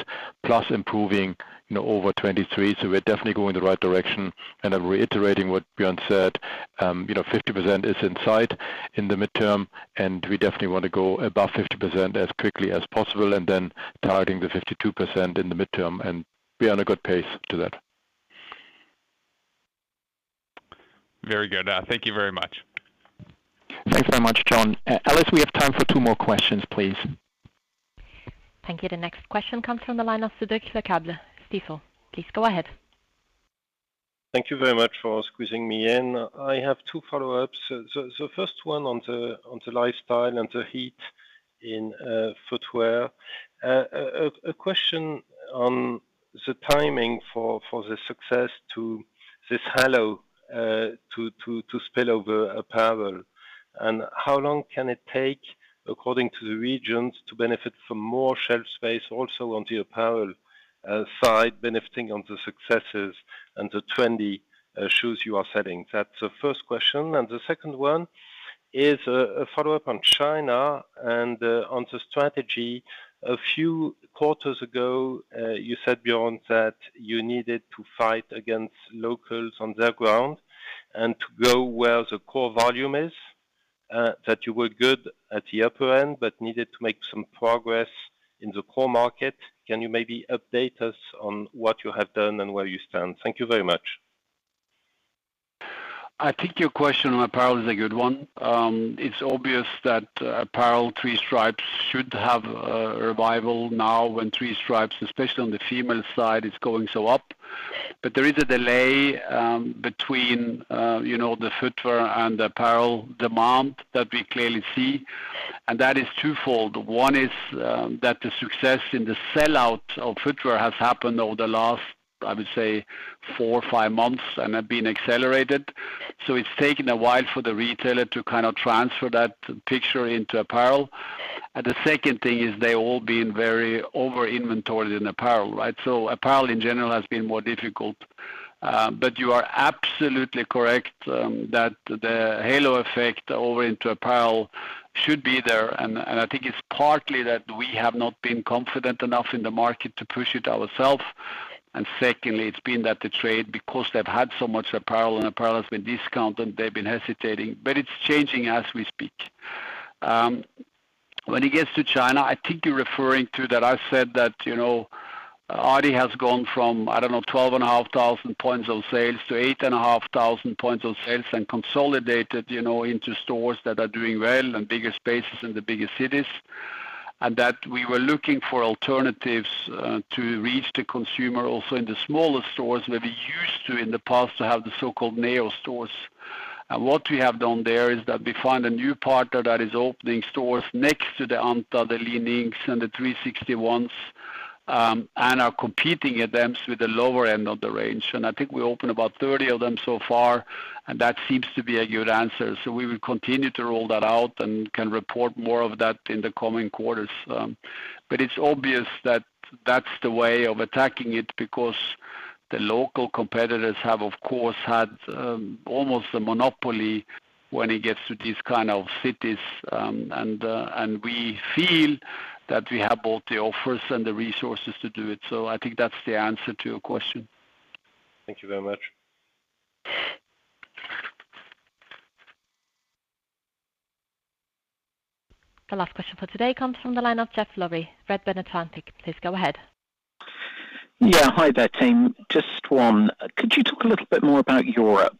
plus improving, you know, over 2023. So we're definitely going the right direction. And I'm reiterating what Bjørn said, you know, 50% is in sight in the midterm, and we definitely want to go above 50% as quickly as possible and then targeting the 52% in the midterm and we're on a good pace to that. Very good. Thank you very much. Thanks very much, John. Alice, we have time for two more questions, please. Thank you. The next question comes from the line of Cedric Lecasble, Stifel. Please go ahead. Thank you very much for squeezing me in. I have two follow-ups. The first one on the lifestyle and the heat in footwear. A question on the timing for the success to this halo to spill over apparel, and how long can it take, according to the regions, to benefit from more shelf space also on the apparel side, benefiting on the successes and the trendy shoes you are selling? That's the first question. The second one is a follow-up on China and on the strategy. A few quarters ago, you said, Bjørn, that you needed to fight against locals on their ground and to go where the core volume is, that you were good at the upper end, but needed to make some progress in the core market. Can you maybe update us on what you have done and where you stand? Thank you very much. I think your question on apparel is a good one. It's obvious that apparel three stripes should have a revival now when three stripes, especially on the female side, is going so up. But there is a delay between you know, the footwear and apparel demand that we clearly see, and that is twofold. One is that the success in the sellout of footwear has happened over the last, I would say, four or five months and have been accelerated. So it's taken a while for the retailer to kind of transfer that picture into apparel. And the second thing is they all been very over-inventoried in apparel, right? So apparel in general has been more difficult. But you are absolutely correct that the halo effect over into apparel should be there. I think it's partly that we have not been confident enough in the market to push it ourselves. And secondly, it's been that the trade, because they've had so much apparel, and apparel has been discounted, they've been hesitating, but it's changing as we speak. When it gets to China, I think you're referring to that I've said that, you know, adidas has gone from, I don't know, 12,500 points of sales to 8,500 points of sales and consolidated, you know, into stores that are doing well and bigger spaces in the bigger cities. And that we were looking for alternatives to reach the consumer also in the smaller stores, where we used to, in the past, to have the so-called neo stores. And what we have done there is that we find a new partner that is opening stores next to the Anta, the Li-Ning, and the 361, and are competing against with the lower end of the range. And I think we opened about 30 of them so far, and that seems to be a good answer. So, we will continue to roll that out and can report more of that in the coming quarters. But it's obvious that that's the way of attacking it, because the local competitors have, of course, had almost a monopoly when it gets to these kind of cities. And we feel that we have both the offers and the resources to do it. So, I think that's the answer to your question. Thank you very much. The last question for today comes from the line of Geoff Lowery, Redburn Atlantic. Please go ahead. Yeah, hi there, team. Just one. Could you talk a little bit more about Europe?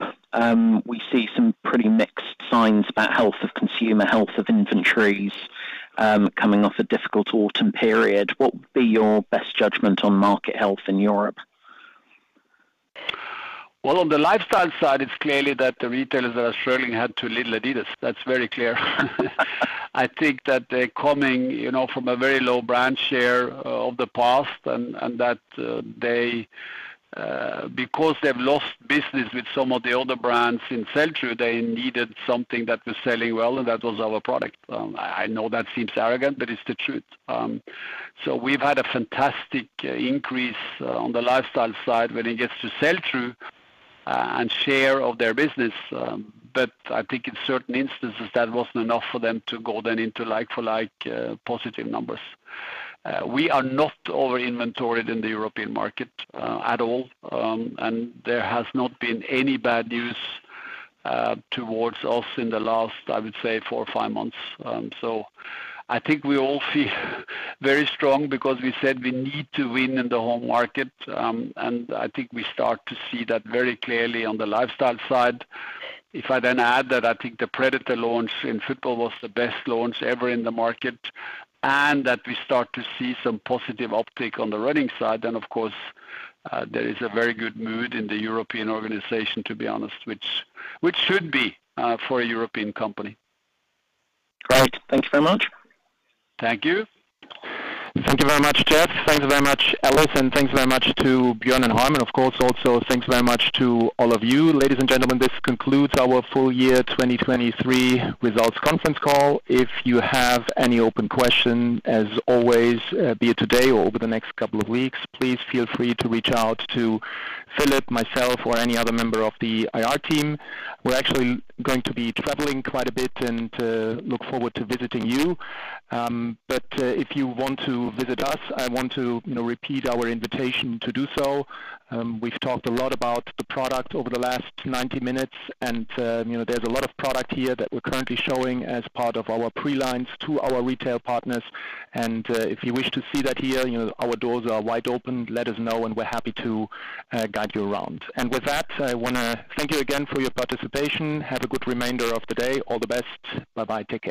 We see some pretty mixed signs about health of consumer, health of inventories, coming off a difficult autumn period. What would be your best judgment on market health in Europe? Well, on the lifestyle side, it's clearly that the retailers are struggling hard to sell adidas. That's very clear. I think that they're coming, you know, from a very low brand share of the past, and that they because they've lost business with some of the older brands in sell-through, they needed something that was selling well, and that was our product. I know that seems arrogant, but it's the truth. So we've had a fantastic increase on the lifestyle side when it gets to sell-through, and share of their business. But I think in certain instances, that wasn't enough for them to go then into like-for-like positive numbers. We are not over-inventoried in the European market at all, and there has not been any bad news towards us in the last, I would say, four or five months. So I think we all feel very strong because we said we need to win in the home market, and I think we start to see that very clearly on the lifestyle side. If I then add that I think the Predator launch in football was the best launch ever in the market, and that we start to see some positive uptick on the running side, then of course there is a very good mood in the European organization, to be honest, which should be for a European company. Great. Thank you very much. Thank you. Thank you very much, Jeff. Thank you very much, Alice, and thanks very much to Bjørn and Harm. Of course, also, thanks very much to all of you. Ladies and gentlemen, this concludes our full year 2023 results conference call. If you have any open questions, as always, be it today or over the next couple of weeks, please feel free to reach out to Philip, myself, or any other member of the IR team. We're actually going to be traveling quite a bit and look forward to visiting you. But if you want to visit us, I want to, you know, repeat our invitation to do so. We've talked a lot about the product over the last 90 minutes, and you know, there's a lot of product here that we're currently showing as part of our pre-lines to our retail partners. If you wish to see that here, you know, our doors are wide open. Let us know, and we're happy to guide you around. And with that, I want to thank you again for your participation. Have a good remainder of the day. All the best. Bye-bye. Take care.